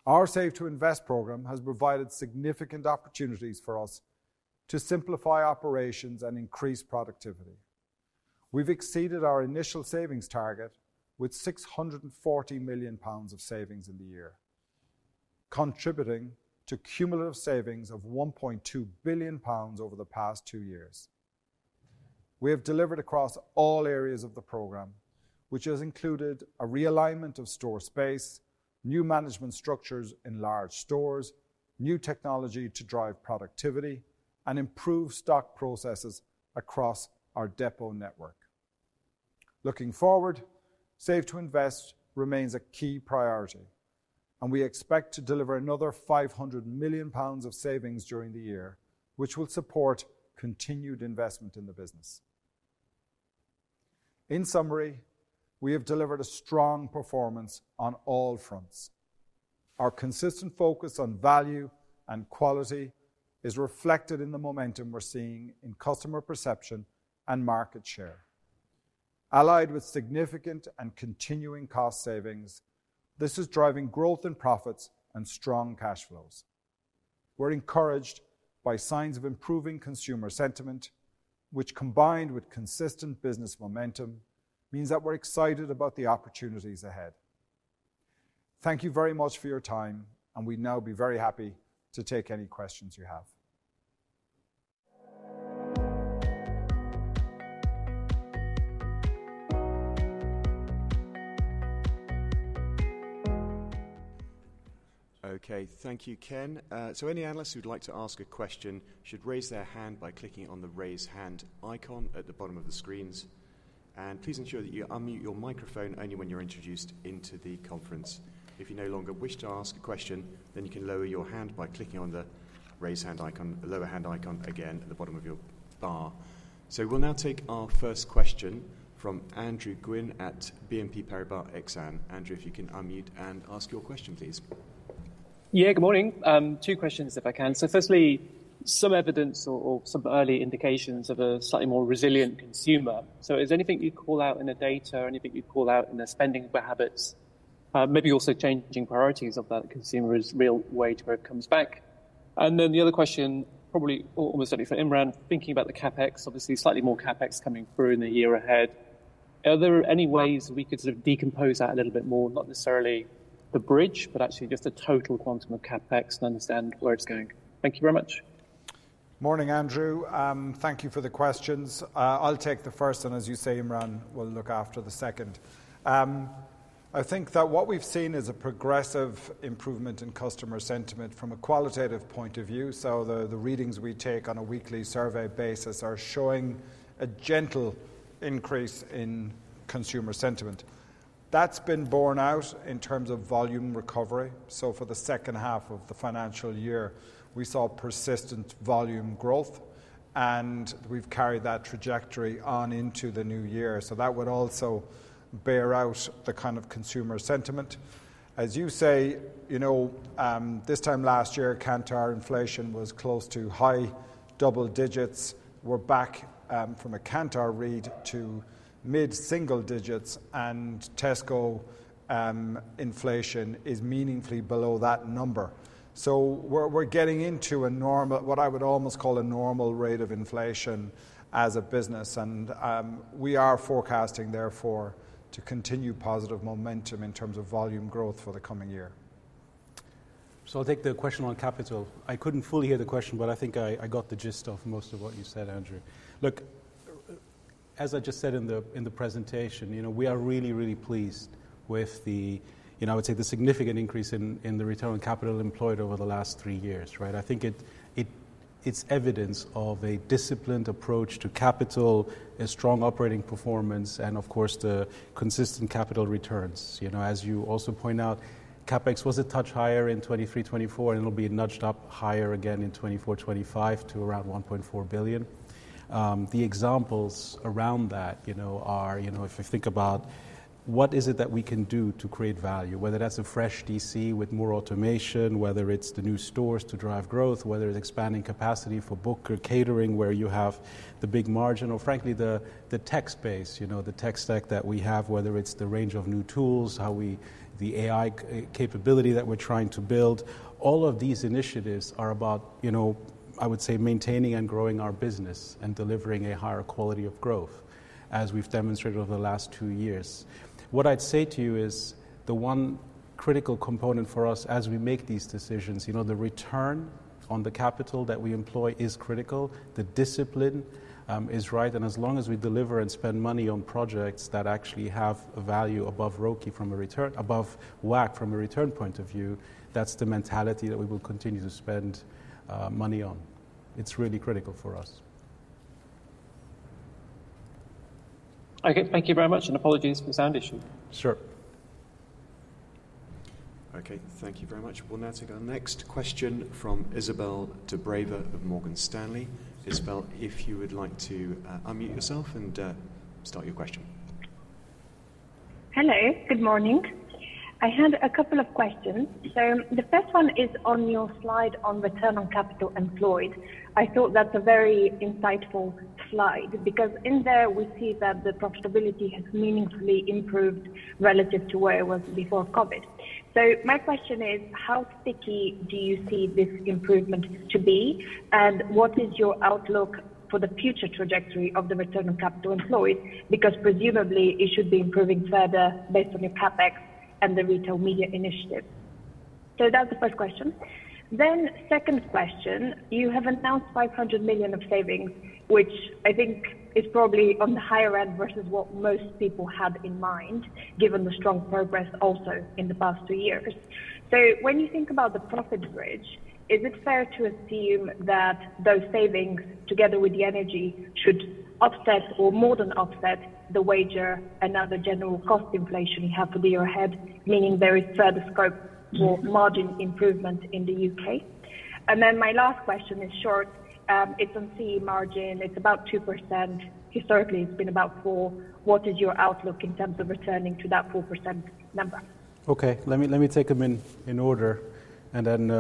Our Save to Invest program has provided significant opportunities for us to simplify operations and increase productivity. We've exceeded our initial savings target with 640 million pounds of savings in the year, contributing to cumulative savings of 1.2 billion pounds over the past two years. We have delivered across all areas of the program, which has included a realignment of store space, new management structures in large stores, new technology to drive productivity and improve stock processes across our depot network. Looking forward, Save to Invest remains a key priority, and we expect to deliver another 500 million pounds of savings during the year, which will support continued investment in the business. In summary, we have delivered a strong performance on all fronts. Our consistent focus on value and quality is reflected in the momentum we're seeing in customer perception and market share. Allied with significant and continuing cost savings, this is driving growth in profits and strong cash flows. We're encouraged by signs of improving consumer sentiment, which, combined with consistent business momentum, means that we're excited about the opportunities ahead. Thank you very much for your time, and we'd now be very happy to take any questions you have. Okay. Thank you, Ken. So any analysts who'd like to ask a question should raise their hand by clicking on the Raise Hand icon at the bottom of the screens. Please ensure that you unmute your microphone only when you're introduced into the conference. If you no longer wish to ask a question, then you can lower your hand by clicking on the Raise Hand icon, Lower Hand icon again at the bottom of your bar. We'll now take our first question from Andrew Gwynn at BNP Paribas Exane. Andrew, if you can unmute and ask your question, please. Yeah, good morning. Two questions, if I can. So firstly, some evidence or some early indications of a slightly more resilient consumer. So is there anything you'd call out in the data or anything you'd call out in the spending habits, maybe also changing priorities of that consumer as real wages to where it comes back? And then the other question, probably almost only for Imran, thinking about the CapEx, obviously slightly more CapEx coming through in the year ahead. Are there any ways we could sort of decompose that a little bit more? Not necessarily the bridge, but actually just the total quantum of CapEx to understand where it's going. Thank you very much. Morning, Andrew. Thank you for the questions. I'll take the first, and as you say, Imran will look after the second. I think that what we've seen is a progressive improvement in customer sentiment from a qualitative point of view. So the readings we take on a weekly survey basis are showing a gentle increase in consumer sentiment. That's been borne out in terms of volume recovery. So for the second half of the financial year, we saw persistent volume growth, and we've carried that trajectory on into the new year. So that would also bear out the kind of consumer sentiment. As you say, you know, this time last year, Kantar inflation was close to high double digits. We're back from a Kantar read to mid-single digits, and Tesco inflation is meaningfully below that number. So we're getting into a normal, what I would almost call a normal rate of inflation as a business, and we are forecasting, therefore, to continue positive momentum in terms of volume growth for the coming year. So I'll take the question on capital. I couldn't fully hear the question, but I think I, I got the gist of most of what you said, Andrew. Look, as I just said in the, in the presentation, you know, we are really, really pleased with the, you know, I would say, the significant increase in, in the return on capital employed over the last three years, right? I think it, it, it's evidence of a disciplined approach to capital, a strong operating performance, and of course, the consistent capital returns. You know, as you also point out, CapEx was a touch higher in 2023, 2024, and it'll be nudged up higher again in 2024, 2025 to around 1.4 billion. The examples around that, you know, are, you know, if you think about what is it that we can do to create value, whether that's a fresh DC with more automation, whether it's the new stores to drive growth, whether it's expanding capacity for Booker catering, where you have the big margin, or frankly, the, the tech space, you know, the tech stack that we have, whether it's the range of new tools, how we the AI capability that we're trying to build. All of these initiatives are about, you know, I would say, maintaining and growing our business and delivering a higher quality of growth, as we've demonstrated over the last two years. What I'd say to you is, the one critical component for us as we make these decisions, you know, the return on the capital that we employ is critical, the discipline is right, and as long as we deliver and spend money on projects that actually have a value above ROIC from a return above WACC from a return point of view, that's the mentality that we will continue to spend money on. It's really critical for us. Okay, thank you very much, and apologies for the sound issue. Sure. Okay, thank you very much. We'll now take our next question from Izabel Dobreva of Morgan Stanley. Izabel, if you would like to, unmute yourself and, start your question. Hello, good morning. I had a couple of questions. So the first one is on your slide on return on capital employed. I thought that's a very insightful slide because in there, we see that the profitability has meaningfully improved relative to where it was before COVID. So my question is: How sticky do you see this improvement to be, and what is your outlook for the future trajectory of the return on capital employed? Because presumably, it should be improving further based on your CapEx and retail media initiative. So that's the first question. Then second question, you have announced 500 million of savings, which I think is probably on the higher end versus what most people had in mind, given the strong progress also in the past two years. So when you think about the profit bridge, is it fair to assume that those savings, together with the energy, should offset or more than offset the wage and other general cost inflation you have to be ahead, meaning there is further scope for margin improvement in the U.K? And then my last question is short. It's on CE margin. It's about 2%. Historically, it's been about 4%. What is your outlook in terms of returning to that 4% number? Okay, let me, let me take them in, in order, and then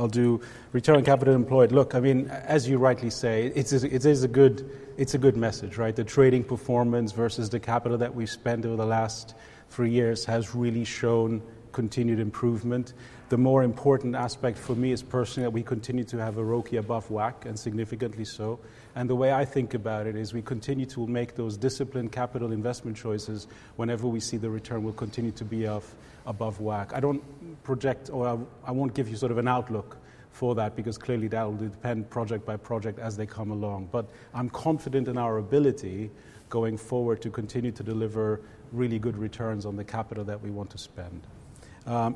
I'll do return on capital employed. Look, I mean, as you rightly say, it is, it is a good, it's a good message, right? The trading performance versus the capital that we've spent over the last three years has really shown continued improvement. The more important aspect for me is personally, that we continue to have ROCE above WACC, and significantly so. And the way I think about it is we continue to make those disciplined capital investment choices whenever we see the return will continue to be of above WACC. I don't project or I won't give you sort of an outlook for that because clearly that will depend project by project as they come along. But I'm confident in our ability, going forward, to continue to deliver really good returns on the capital that we want to spend.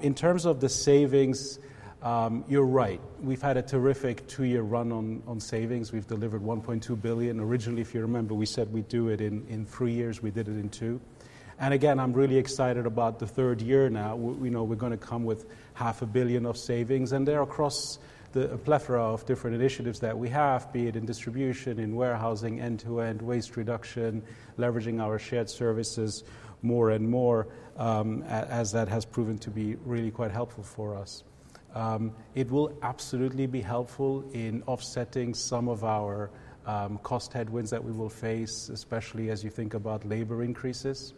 In terms of the savings, you're right. We've had a terrific two-year run on savings. We've delivered 1.2 billion. Originally, if you remember, we said we'd do it in three years. We did it in two. And again, I'm really excited about the third year now. We know we're going to come with 0.5 billion of savings, and they're across the plethora of different initiatives that we have, be it in distribution, in warehousing, end-to-end waste reduction, leveraging our shared services more and more, as that has proven to be really quite helpful for us. It will absolutely be helpful in offsetting some of our cost headwinds that we will face, especially as you think about labor increases.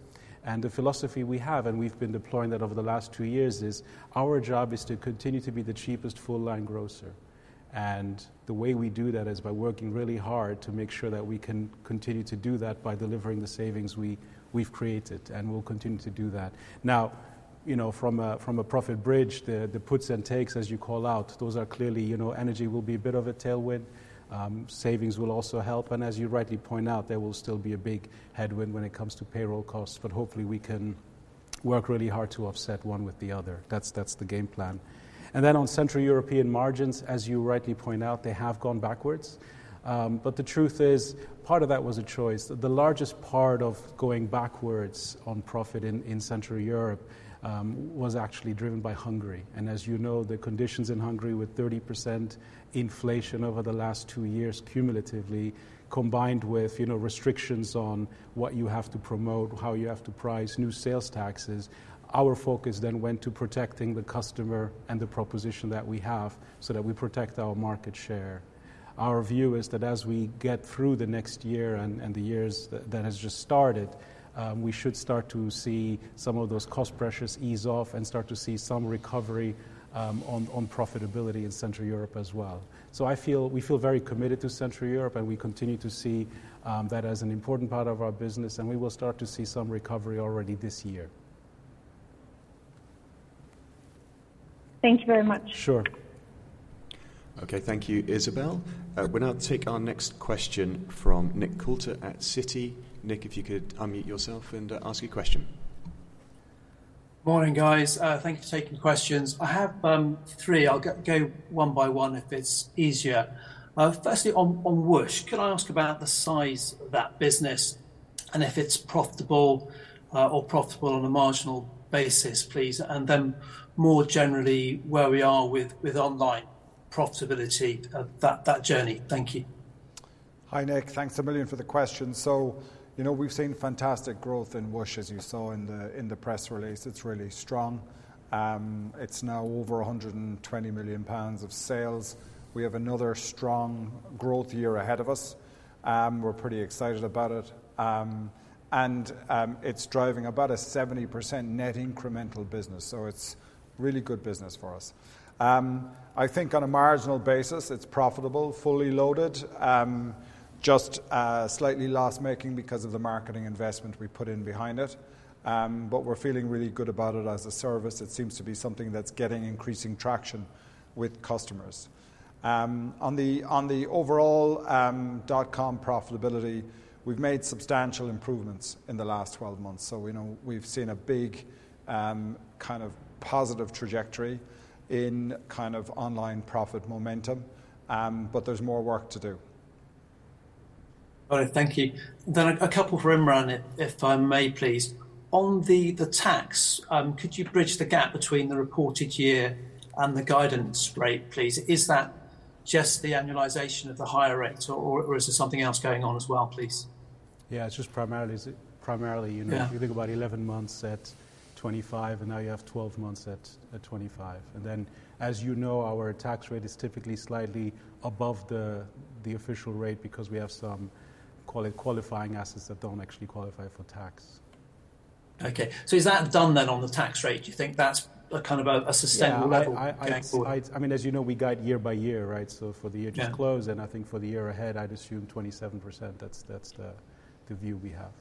The philosophy we have, and we've been deploying that over the last two years, is our job is to continue to be the cheapest full-line grocer. The way we do that is by working really hard to make sure that we can continue to do that by delivering the savings we, we've created, and we'll continue to do that. Now, you know, from a profit bridge, the puts and takes, as you call out, those are clearly, you know, energy will be a bit of a tailwind. Savings will also help, and as you rightly point out, there will still be a big headwind when it comes to payroll costs, but hopefully, we can work really hard to offset one with the other. That's, that's the game plan. And then on Central European margins, as you rightly point out, they have gone backwards. But the truth is, part of that was a choice. The largest part of going backwards on profit in Central Europe was actually driven by Hungary. And as you know, the conditions in Hungary, with 30% inflation over the last two years, cumulatively, combined with, you know, restrictions on what you have to promote, how you have to price new sales taxes, our focus then went to protecting the customer and the proposition that we have so that we protect our market share. Our view is that as we get through the next year and the years that has just started, we should start to see some of those cost pressures ease off and start to see some recovery on profitability in Central Europe as well. So I feel, we feel very committed to Central Europe, and we continue to see that as an important part of our business, and we will start to see some recovery already this year. Thank you very much. Sure. Okay, thank you, Isabelle. We'll now take our next question from Nick Coulter at Citi. Nick, if you could unmute yourself and ask your question. Morning, guys. Thank you for taking questions. I have three. I'll go one by one if it's easier. Firstly, on Whoosh, could I ask about the size of that business and if it's profitable or profitable on a marginal basis, please? And then more generally, where we are with online profitability, that journey? Thank you. Hi, Nick. Thanks a million for the question. So, you know, we've seen fantastic growth in Whoosh, as you saw in the press release. It's really strong. It's now over 120 million pounds of sales. We have another strong growth year ahead of us. We're pretty excited about it. And it's driving about a 70% net incremental business, so it's really good business for us. I think on a marginal basis, it's profitable, fully loaded, just slightly loss-making because of the marketing investment we put in behind it. But we're feeling really good about it as a service. It seems to be something that's getting increasing traction with customers. On the, on the overall, dot-com profitability, we've made substantial improvements in the last 12 months. So we know we've seen a big, kind of positive trajectory in kind of online profit momentum, but there's more work to do. All right, thank you. Then a couple for Imran, if I may, please. On the tax, could you bridge the gap between the reported year and the guidance rate, please? Is that just the annualization of the higher rate, or is there something else going on as well, please? Yeah, it's just primarily, you know- Yeah. If you think about 11 months at 25%, and now you have 12 months at 25%. And then, as you know, our tax rate is typically slightly above the official rate because we have some qualifying assets that don't actually qualify for tax. Okay. So is that done then on the tax rate? Do you think that's a kind of a, a sustainable rate going forward? Yeah, it's. I mean, as you know, we guide year by year, right? So for the year just closed- Yeah And I think for the year ahead, I'd assume 27%. That's the view we have.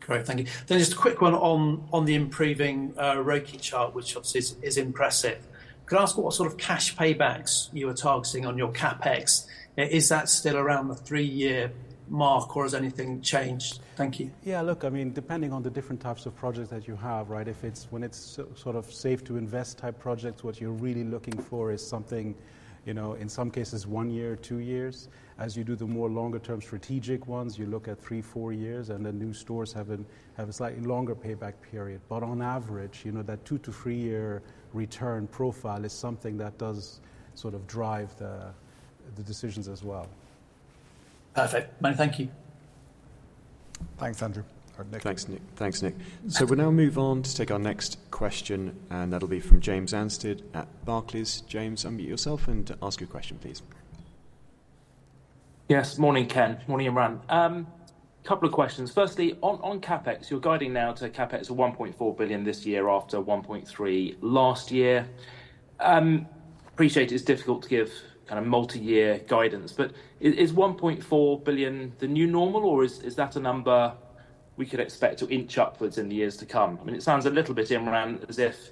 Great, thank you. Then just a quick one on, on the improving, ROIC chart, which obviously is, is impressive. Could I ask what sort of cash paybacks you are targeting on your CapEx? Is that still around the three-year mark, or has anything changed? Thank you. Yeah, look, I mean, depending on the different types of projects that you have, right? When it's sort of safe to invest type projects, what you're really looking for is something, you know, in some cases, one year, two years. As you do the more longer-term strategic ones, you look at three, four years, and the new stores have a slightly longer payback period. But on average, you know, that two- to three-year return profile is something that does sort of drive the decisions as well. Perfect. No, thank you. Thanks, Andrew, or Nick. Thanks, Nick. Thanks, Nick. So we'll now move on to take our next question, and that'll be from James Anstead at Barclays. James, unmute yourself and ask your question, please. Yes, morning, Ken. Morning, Imran. Couple of questions. Firstly, on CapEx, you're guiding now to CapEx of 1.4 billion this year after 1.3 billion last year. Appreciate it's difficult to give kind of multi-year guidance, but is 1.4 billion the new normal, or is that a number we could expect to inch upwards in the years to come? I mean, it sounds a little bit, Imran, as if,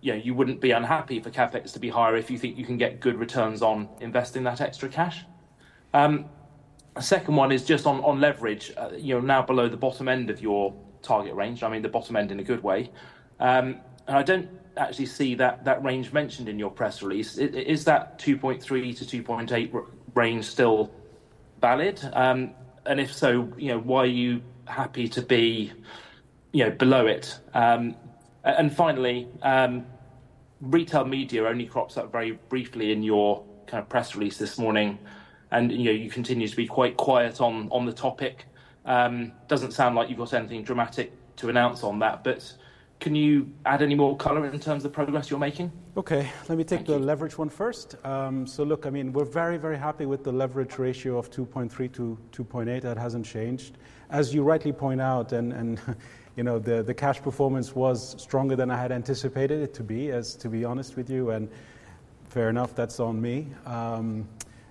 you know, you wouldn't be unhappy for CapEx to be higher if you think you can get good returns on investing that extra cash. A second one is just on leverage. You're now below the bottom end of your target range. I mean, the bottom end in a good way. And I don't actually see that range mentioned in your press release. Is that 2.3-2.8 range still valid? And if so, you know, why are you happy to be, you know, below it? And retail media only crops up very briefly in your kind of press release this morning, and, you know, you continue to be quite quiet on, on the topic. Doesn't sound like you've got anything dramatic to announce on that, but can you add any more color in terms of the progress you're making? Okay. Thank you. Let me take the leverage one first. So look, I mean, we're very, very happy with the leverage ratio of 2.3-2.8. That hasn't changed. As you rightly point out, and, and, you know, the, the cash performance was stronger than I had anticipated it to be, as to be honest with you, and fair enough, that's on me.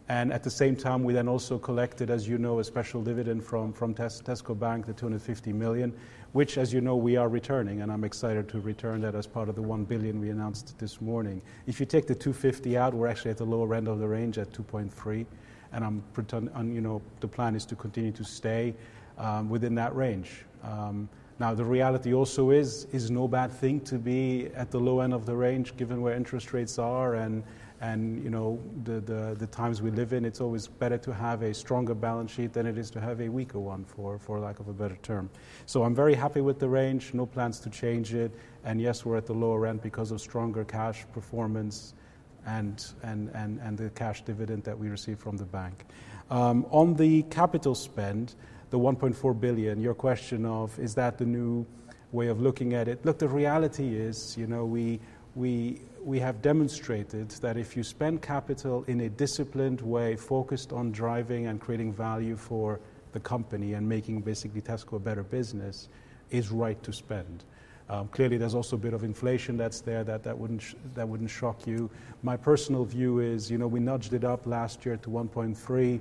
And at the same time, we then also collected, as you know, a special dividend from, from Tesco Bank, the 250 million, which, as you know, we are returning, and I'm excited to return that as part of the 1 billion we announced this morning. If you take the 250 out, we're actually at the lower end of the range at 2.3, and I'm pretend. You know, the plan is to continue to stay within that range. Now, the reality also is, it's no bad thing to be at the low end of the range, given where interest rates are and you know, the times we live in. It's always better to have a stronger balance sheet than it is to have a weaker one, for lack of a better term. So I'm very happy with the range, no plans to change it. And yes, we're at the lower end because of stronger cash performance and the cash dividend that we received from the bank. On the capital spend, the 1.4 billion, your question of: Is that the new way of looking at it? Look, the reality is, you know, we have demonstrated that if you spend capital in a disciplined way, focused on driving and creating value for the company and making basically Tesco a better business, it's right to spend. Clearly, there's also a bit of inflation that's there that wouldn't shock you. My personal view is, you know, we nudged it up last year to 1.3.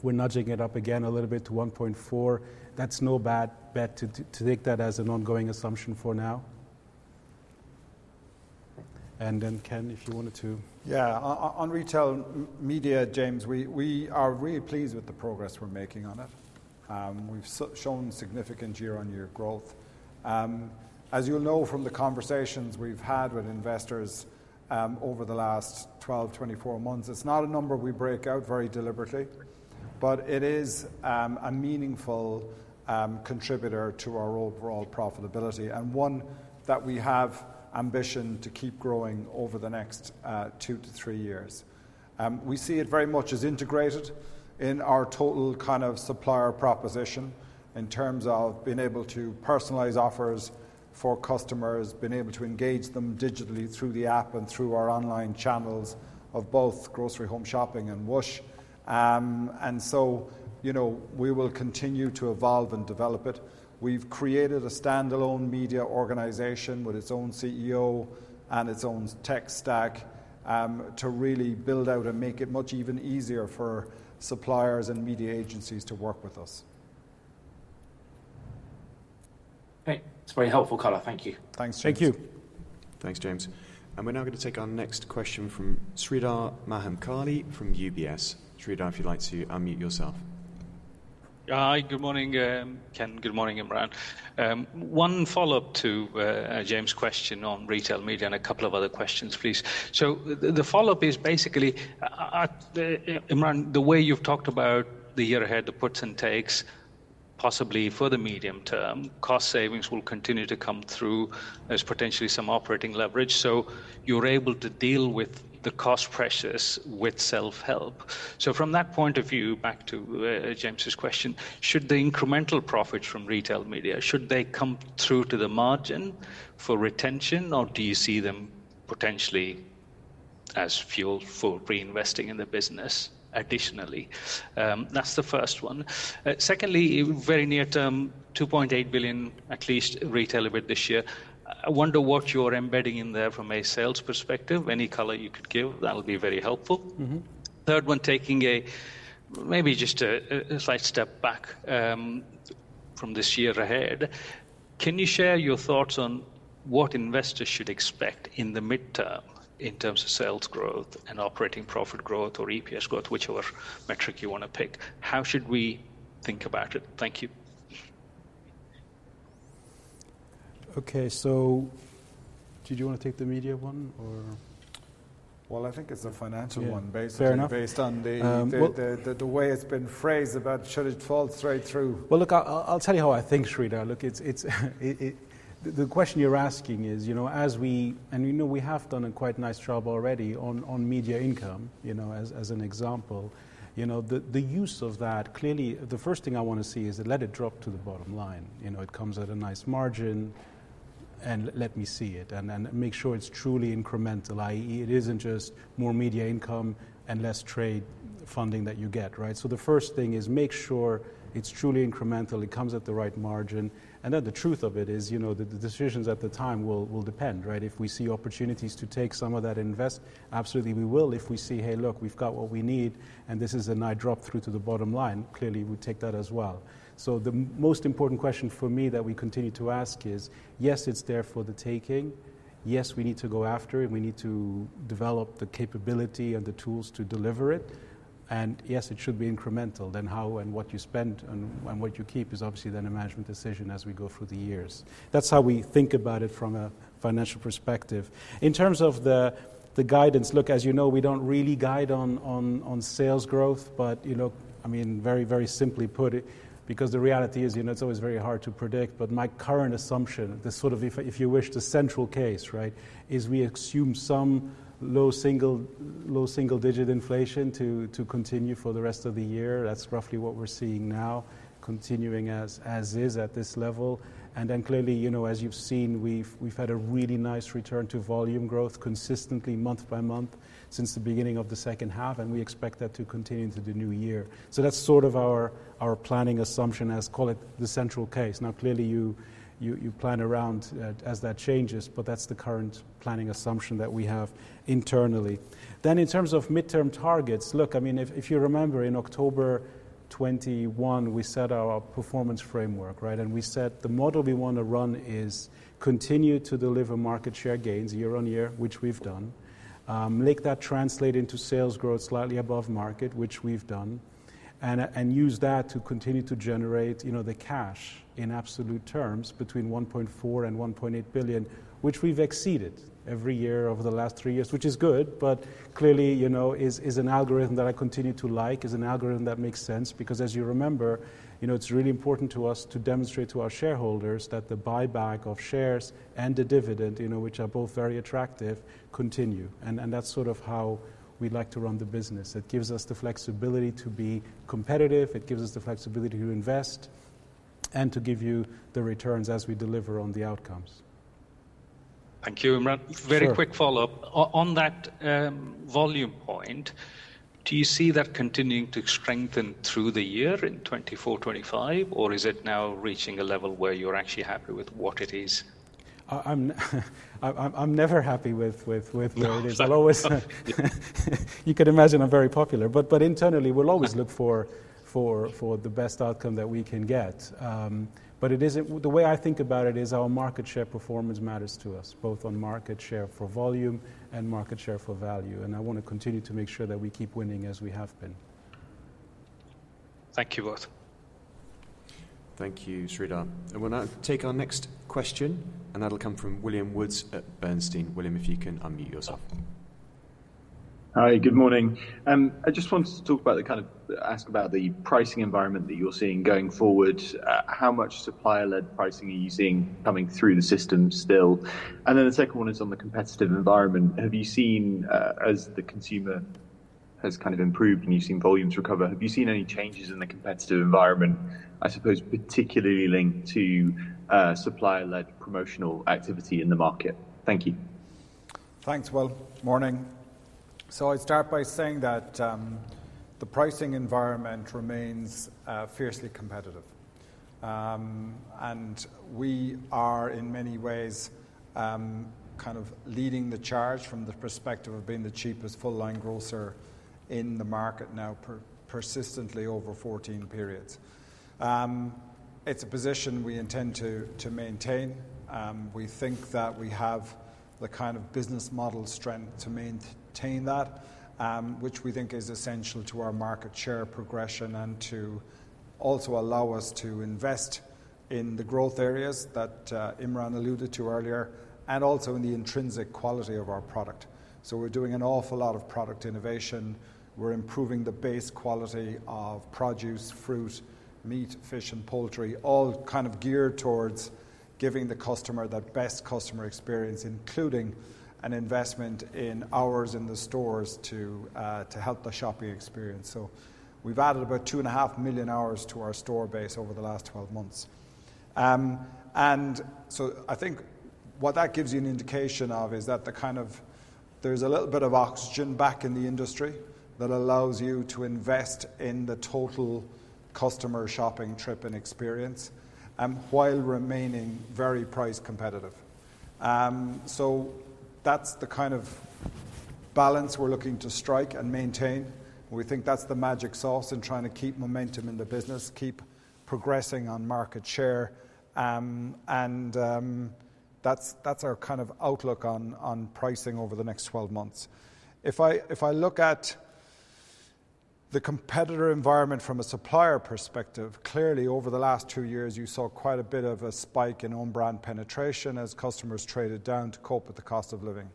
We're nudging it up again a little bit to 1.4. That's no bad bet to take that as an ongoing assumption for now. And then, Ken, if you wanted to. Yeah. Retail media, James, we are really pleased with the progress we're making on it. We've shown significant year-on-year growth. As you'll know from the conversations we've had with investors, over the last 12, 24 months, it's not a number we break out very deliberately, but it is a meaningful contributor to our overall profitability and one that we have ambition to keep growing over the next two to three years. We see it very much as integrated in our total kind of supplier proposition in terms of being able to personalize offers for customers, being able to engage them digitally through the app and through our online channels of both grocery home shopping and Whoosh. And so, you know, we will continue to evolve and develop it. We've created a standalone media organization with its own CEO and its own tech stack, to really build out and make it much even easier for suppliers and media agencies to work with us. Great. That's very helpful color. Thank you. Thanks, James. Thank you. Thanks, James. We're now going to take our next question from Sreedhar Mahamkali from UBS. Sreedhar, if you'd like to unmute yourself. Hi, good morning, Ken. Good morning, Imran. One follow-up to James' question retail media and a couple of other questions, please. So the follow-up is basically, Imran, the way you've talked about the year ahead, the puts and takes, possibly for the medium term, cost savings will continue to come through as potentially some operating leverage. So you're able to deal with the cost pressures with self-help. So from that point of view, back to James's question, should the incremental profits retail media, should they come through to the margin for retention, or do you see them potentially as fuel for reinvesting in the business additionally? That's the first one. Secondly, very near term, 2.8 billion, at least retail of it this year. I wonder what you're embedding in there from a sales perspective. Any color you could give, that would be very helpful. Mm-hmm. Third one, taking a, maybe just a slight step back from this year ahead. Can you share your thoughts on what investors should expect in the midterm in terms of sales growth and operating profit growth or EPS growth, whichever metric you want to pick? How should we think about it? Thank you. Okay. So did you want to take the media one or? Well, I think it's a financial one- Yeah. Fair enough. Basically, based on the- Um, well- - the way it's been phrased about should it fall straight through. Well, look, I'll tell you how I think, Sreedhar. Look, it's. The question you're asking is, you know, as we, and, you know, we have done a quite nice job already on media income, you know, as an example. You know, the use of that, clearly, the first thing I want to see is let it drop to the bottom line. You know, it comes at a nice margin, and let me see it, and then make sure it's truly incremental, i.e., it isn't just more media income and less trade funding that you get, right? So the first thing is make sure it's truly incremental, it comes at the right margin, and then the truth of it is, you know, the decisions at the time will depend, right? If we see opportunities to take some of that invest, absolutely, we will. If we see, "Hey, look, we've got what we need, and this is a nice drop through to the bottom line," clearly, we take that as well. So the most important question for me that we continue to ask is, yes, it's there for the taking. Yes, we need to go after it. We need to develop the capability and the tools to deliver it. And yes, it should be incremental. Then how and what you spend and what you keep is obviously then a management decision as we go through the years. That's how we think about it from a financial perspective. In terms of the guidance, look, as you know, we don't really guide on sales growth, but, you know, I mean, very, very simply put it, because the reality is, you know, it's always very hard to predict, but my current assumption, the sort of if you wish, the central case, right, is we assume some low single-digit inflation to continue for the rest of the year. That's roughly what we're seeing now, continuing as is at this level. And then clearly, you know, as you've seen, we've had a really nice return to volume growth consistently month by month since the beginning of the second half, and we expect that to continue into the new year. So that's sort of our planning assumption as call it the central case. Now, clearly, you plan around as that changes, but that's the current planning assumption that we have internally. Then in terms of midterm targets, look, I mean, if you remember, in October 2021, we set our performance framework, right? We said the model we want to run is continue to deliver market share gains year on year, which we've done. Make that translate into sales growth slightly above market, which we've done, and use that to continue to generate, you know, the cash in absolute terms between 1.4 billion and 1.8 billion, which we've exceeded every year over the last three years, which is good, but clearly, you know, is an algorithm that I continue to like, is an algorithm that makes sense. Because as you remember, you know, it's really important to us to demonstrate to our shareholders that the buyback of shares and the dividend, you know, which are both very attractive, continue. And that's sort of how we'd like to run the business. It gives us the flexibility to be competitive. It gives us the flexibility to invest and to give you the returns as we deliver on the outcomes. Thank you, Imran. Sure. Very quick follow-up. On, on that, volume point, do you see that continuing to strengthen through the year in 2024, 2025, or is it now reaching a level where you're actually happy with what it is? I'm never happy with where it is. Sorry. I'll always. You can imagine I'm very popular, but internally, we'll always look for the best outcome that we can get. But it isn't, the way I think about it is our market share performance matters to us, both on market share for volume and market share for value, and I want to continue to make sure that we keep winning as we have been. Thank you both. Thank you, Sreedhar. We'll now take our next question, and that'll come from William Woods at Bernstein. William, if you can unmute yourself. Hi, good morning. I just wanted to ask about the pricing environment that you're seeing going forward. How much supplier-led pricing are you seeing coming through the system still? And then the second one is on the competitive environment. Have you seen, as the consumer has kind of improved, and you've seen volumes recover, have you seen any changes in the competitive environment, I suppose, particularly linked to supplier-led promotional activity in the market? Thank you. Thanks, Will. Morning. So I'd start by saying that, the pricing environment remains, fiercely competitive. And we are, in many ways, kind of leading the charge from the perspective of being the cheapest full-line grocer in the market now persistently over 14 periods. It's a position we intend to maintain. We think that we have the kind of business model strength to maintain that, which we think is essential to our market share progression and to also allow us to invest in the growth areas that, Imran alluded to earlier, and also in the intrinsic quality of our product. So we're doing an awful lot of product innovation. We're improving the base quality of produce, fruit, meat, fish, and poultry, all kind of geared towards giving the customer the best customer experience, including an investment in hours in the stores to help the shopping experience. So we've added about 2.5 million hours to our store base over the last 12 months. And so I think what that gives you an indication of is that there's a little bit of oxygen back in the industry that allows you to invest in the total customer shopping trip and experience, while remaining very price competitive. So that's the kind of balance we're looking to strike and maintain, and we think that's the magic sauce in trying to keep momentum in the business, keep progressing on market share. That's our kind of outlook on pricing over the next 12 months. If I look at the competitor environment from a supplier perspective, clearly, over the last two years, you saw quite a bit of a spike in own brand penetration as customers traded down to cope with the cost of living.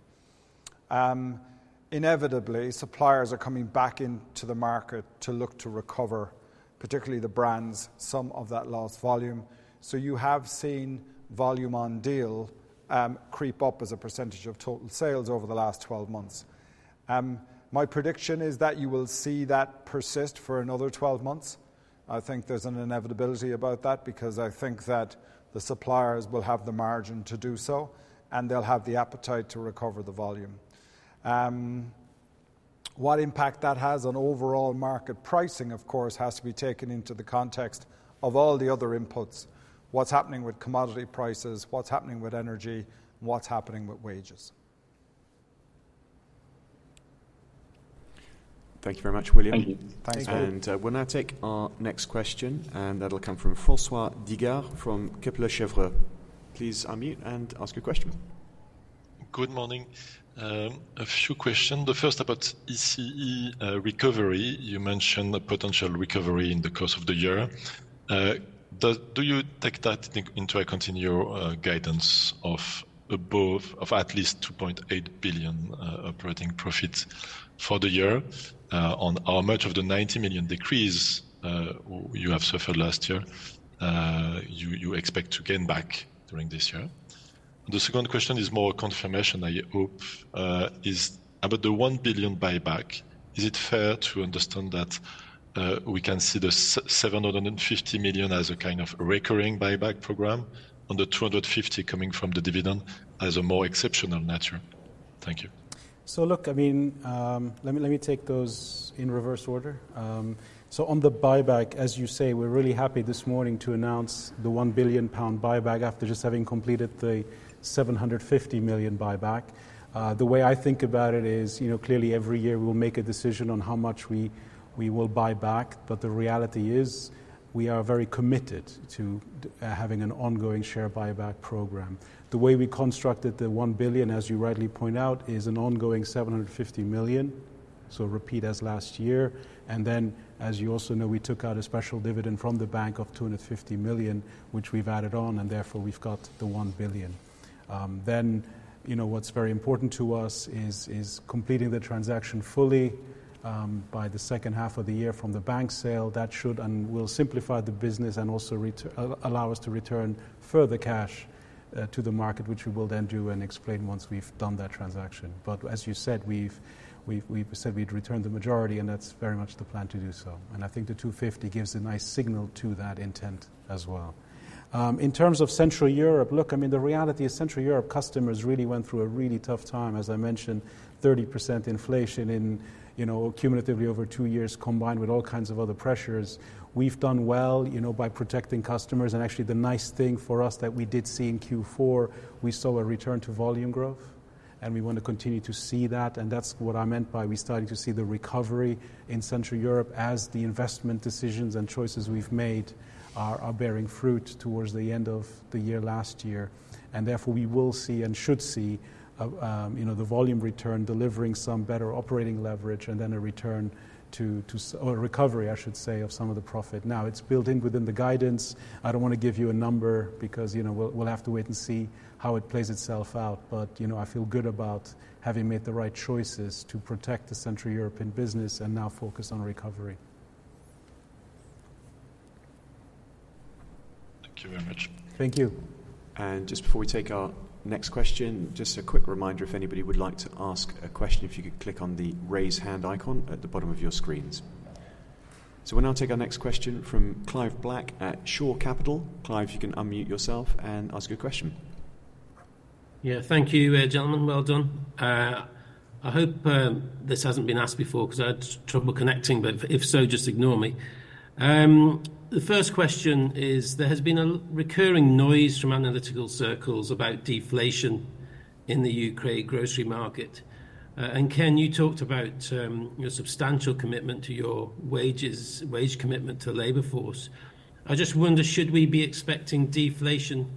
Inevitably, suppliers are coming back into the market to look to recover, particularly the brands, some of that lost volume. So you have seen volume on deal creep up as a percentage of total sales over the last 12 months. My prediction is that you will see that persist for another 12 months. I think there's an inevitability about that because I think that the suppliers will have the margin to do so, and they'll have the appetite to recover the volume. What impact that has on overall market pricing, of course, has to be taken into the context of all the other inputs: what's happening with commodity prices, what's happening with energy, and what's happening with wages. Thank you very much, William. Thank you. We'll now take our next question, and that'll come from François Digard from Kepler Cheuvreux. Please unmute and ask your question. Good morning. A few questions. The first about ECE recovery. You mentioned a potential recovery in the course of the year. Do you take that into account in your guidance of above of at least 2.8 billion operating profits for the year? On how much of the 90 million decrease you have suffered last year you expect to gain back during this year? The second question is more a confirmation, I hope. Is about the 1 billion buyback. Is it fair to understand that we can see the seven hundred and fifty million as a kind of recurring buyback program on the two hundred and fifty coming from the dividend as a more exceptional nature? Thank you. So look, I mean, let me take those in reverse order. So on the buyback, as you say, we're really happy this morning to announce the 1 billion pound buyback after just having completed the 750 million buyback. The way I think about it is, you know, clearly every year, we'll make a decision on how much we, we will buy back. But the reality is, we are very committed to having an ongoing share buyback program. The way we constructed the 1 billion, as you rightly point out, is an ongoing 750 million, so repeat as last year. And then, as you also know, we took out a special dividend from the bank of 250 million, which we've added on, and therefore, we've got the 1 billion. Then, you know, what's very important to us is completing the transaction fully, by the second half of the year from the bank sale. That should and will simplify the business and also allow us to return further cash to the market, which we will then do and explain once we've done that transaction. But as you said, we've said we'd return the majority, and that's very much the plan to do so. And I think the 250 gives a nice signal to that intent as well. In terms of Central Europe, look, I mean, the reality is, Central Europe customers really went through a really tough time. As I mentioned, 30% inflation, you know, cumulatively over two years, combined with all kinds of other pressures. We've done well, you know, by protecting customers, and actually, the nice thing for us that we did see in Q4, we saw a return to volume growth, and we want to continue to see that, and that's what I meant by we're starting to see the recovery in Central Europe as the investment decisions and choices we've made are bearing fruit towards the end of the year, last year. And therefore, we will see and should see, you know, the volume return, delivering some better operating leverage and then a return to or a recovery, I should say, of some of the profit. Now, it's built in within the guidance. I don't want to give you a number because, you know, we'll have to wait and see how it plays itself out. But, you know, I feel good about having made the right choices to protect the Central European business and now focus on recovery. Thank you very much. Thank you. Just before we take our next question, just a quick reminder, if anybody would like to ask a question, if you could click on the Raise Hand icon at the bottom of your screens. So we'll now take our next question from Clive Black at Shore Capital. Clive, you can unmute yourself and ask your question. Yeah. Thank you, gentlemen. Well done. I hope this hasn't been asked before because I had trouble connecting, but if so, just ignore me. The first question is, there has been a recurring noise from analytical circles about deflation in the U.K. grocery market. And, Ken, you talked about your substantial commitment to your wages, wage commitment to labor force. I just wonder, should we be expecting deflation?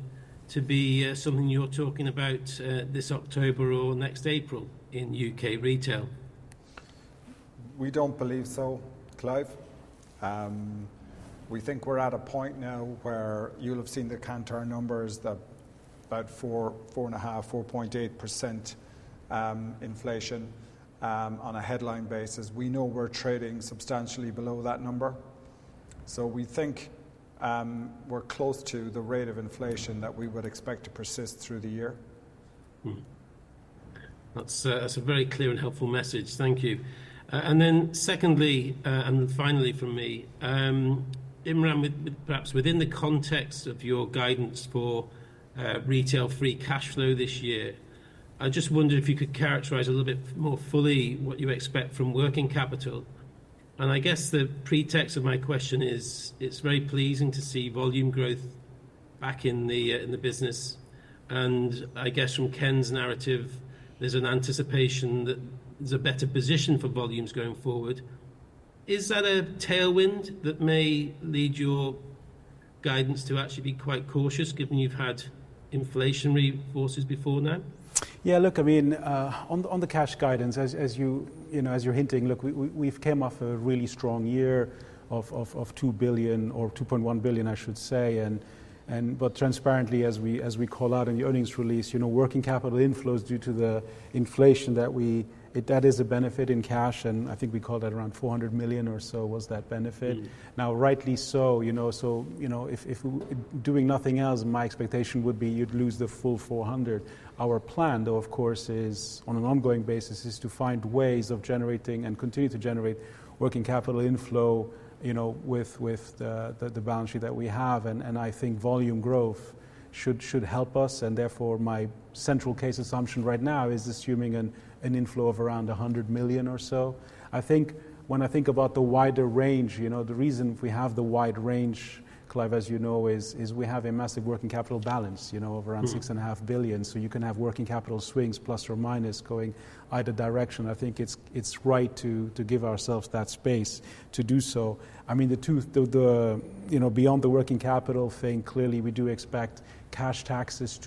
To be something you're talking about this October or next April in U.K. retail? We don't believe so, Clive. We think we're at a point now where you'll have seen the Kantar numbers that about 4, 4.5, 4.8% inflation on a headline basis. We know we're trading substantially below that number. So we think we're close to the rate of inflation that we would expect to persist through the year. Hmm. That's, that's a very clear and helpful message. Thank you. And then secondly, and finally from me, Imran, with, perhaps within the context of your guidance for, retail free cash flow this year, I just wonder if you could characterize a little bit more fully what you expect from working capital. And I guess the pretext of my question is, it's very pleasing to see volume growth back in the, in the business, and I guess from Ken's narrative, there's an anticipation that there's a better position for volumes going forward. Is that a tailwind that may lead your guidance to actually be quite cautious, given you've had inflationary forces before now? Yeah, look, I mean, on the cash guidance, as you know, as you're hinting, look, we've came off a really strong year of 2 billion or 2.1 billion, I should say. And but transparently, as we call out in the earnings release, you know, working capital inflows due to the inflation that is a benefit in cash, and I think we call that around 400 million or so was that benefit. Mm. Now, rightly so, you know, if doing nothing else, my expectation would be you'd lose the full 400 million. Our plan, though, of course, is, on an ongoing basis, to find ways of generating and continue to generate working capital inflow, you know, with the balance sheet that we have. And I think volume growth should help us, and therefore, my central case assumption right now is assuming an inflow of around 100 million or so. I think about the wider range, you know, the reason we have the wide range, Clive, as you know, is we have a massive working capital balance, you know- Mm. of around 6.5 billion. So you can have working capital swings, ±, going either direction. I think it's right to give ourselves that space to do so. I mean, you know, beyond the working capital thing, clearly, we do expect cash taxes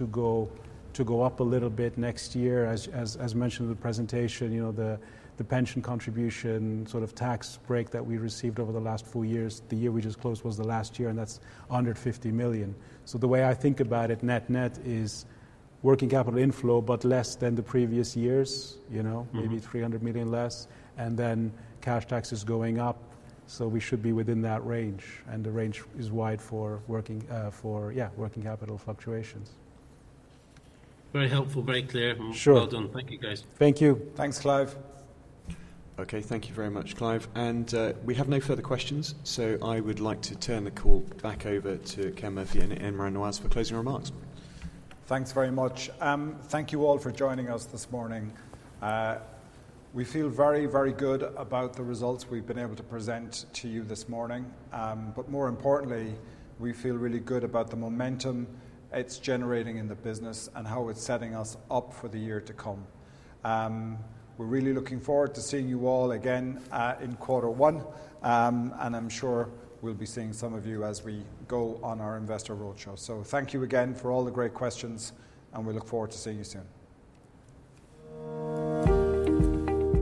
to go up a little bit next year. As mentioned in the presentation, you know, the pension contribution sort of tax break that we received over the last four years, the year we just closed was the last year, and that's 150 million. So the way I think about it, net net, is working capital inflow, but less than the previous years, you know? Mm. Maybe 300 million less, and then cash taxes going up. So we should be within that range, and the range is wide for working capital fluctuations. Very helpful. Very clear. Sure. Well done. Thank you, guys. Thank you. Thanks, Clive. Okay, thank you very much, Clive. And, we have no further questions, so I would like to turn the call back over to Ken Murphy and Imran Nawaz for closing remarks. Thanks very much. Thank you all for joining us this morning. We feel very, very good about the results we've been able to present to you this morning. But more importantly, we feel really good about the momentum it's generating in the business and how it's setting us up for the year to come. We're really looking forward to seeing you all again in quarter one. And I'm sure we'll be seeing some of you as we go on our investor roadshow. So thank you again for all the great questions, and we look forward to seeing you soon.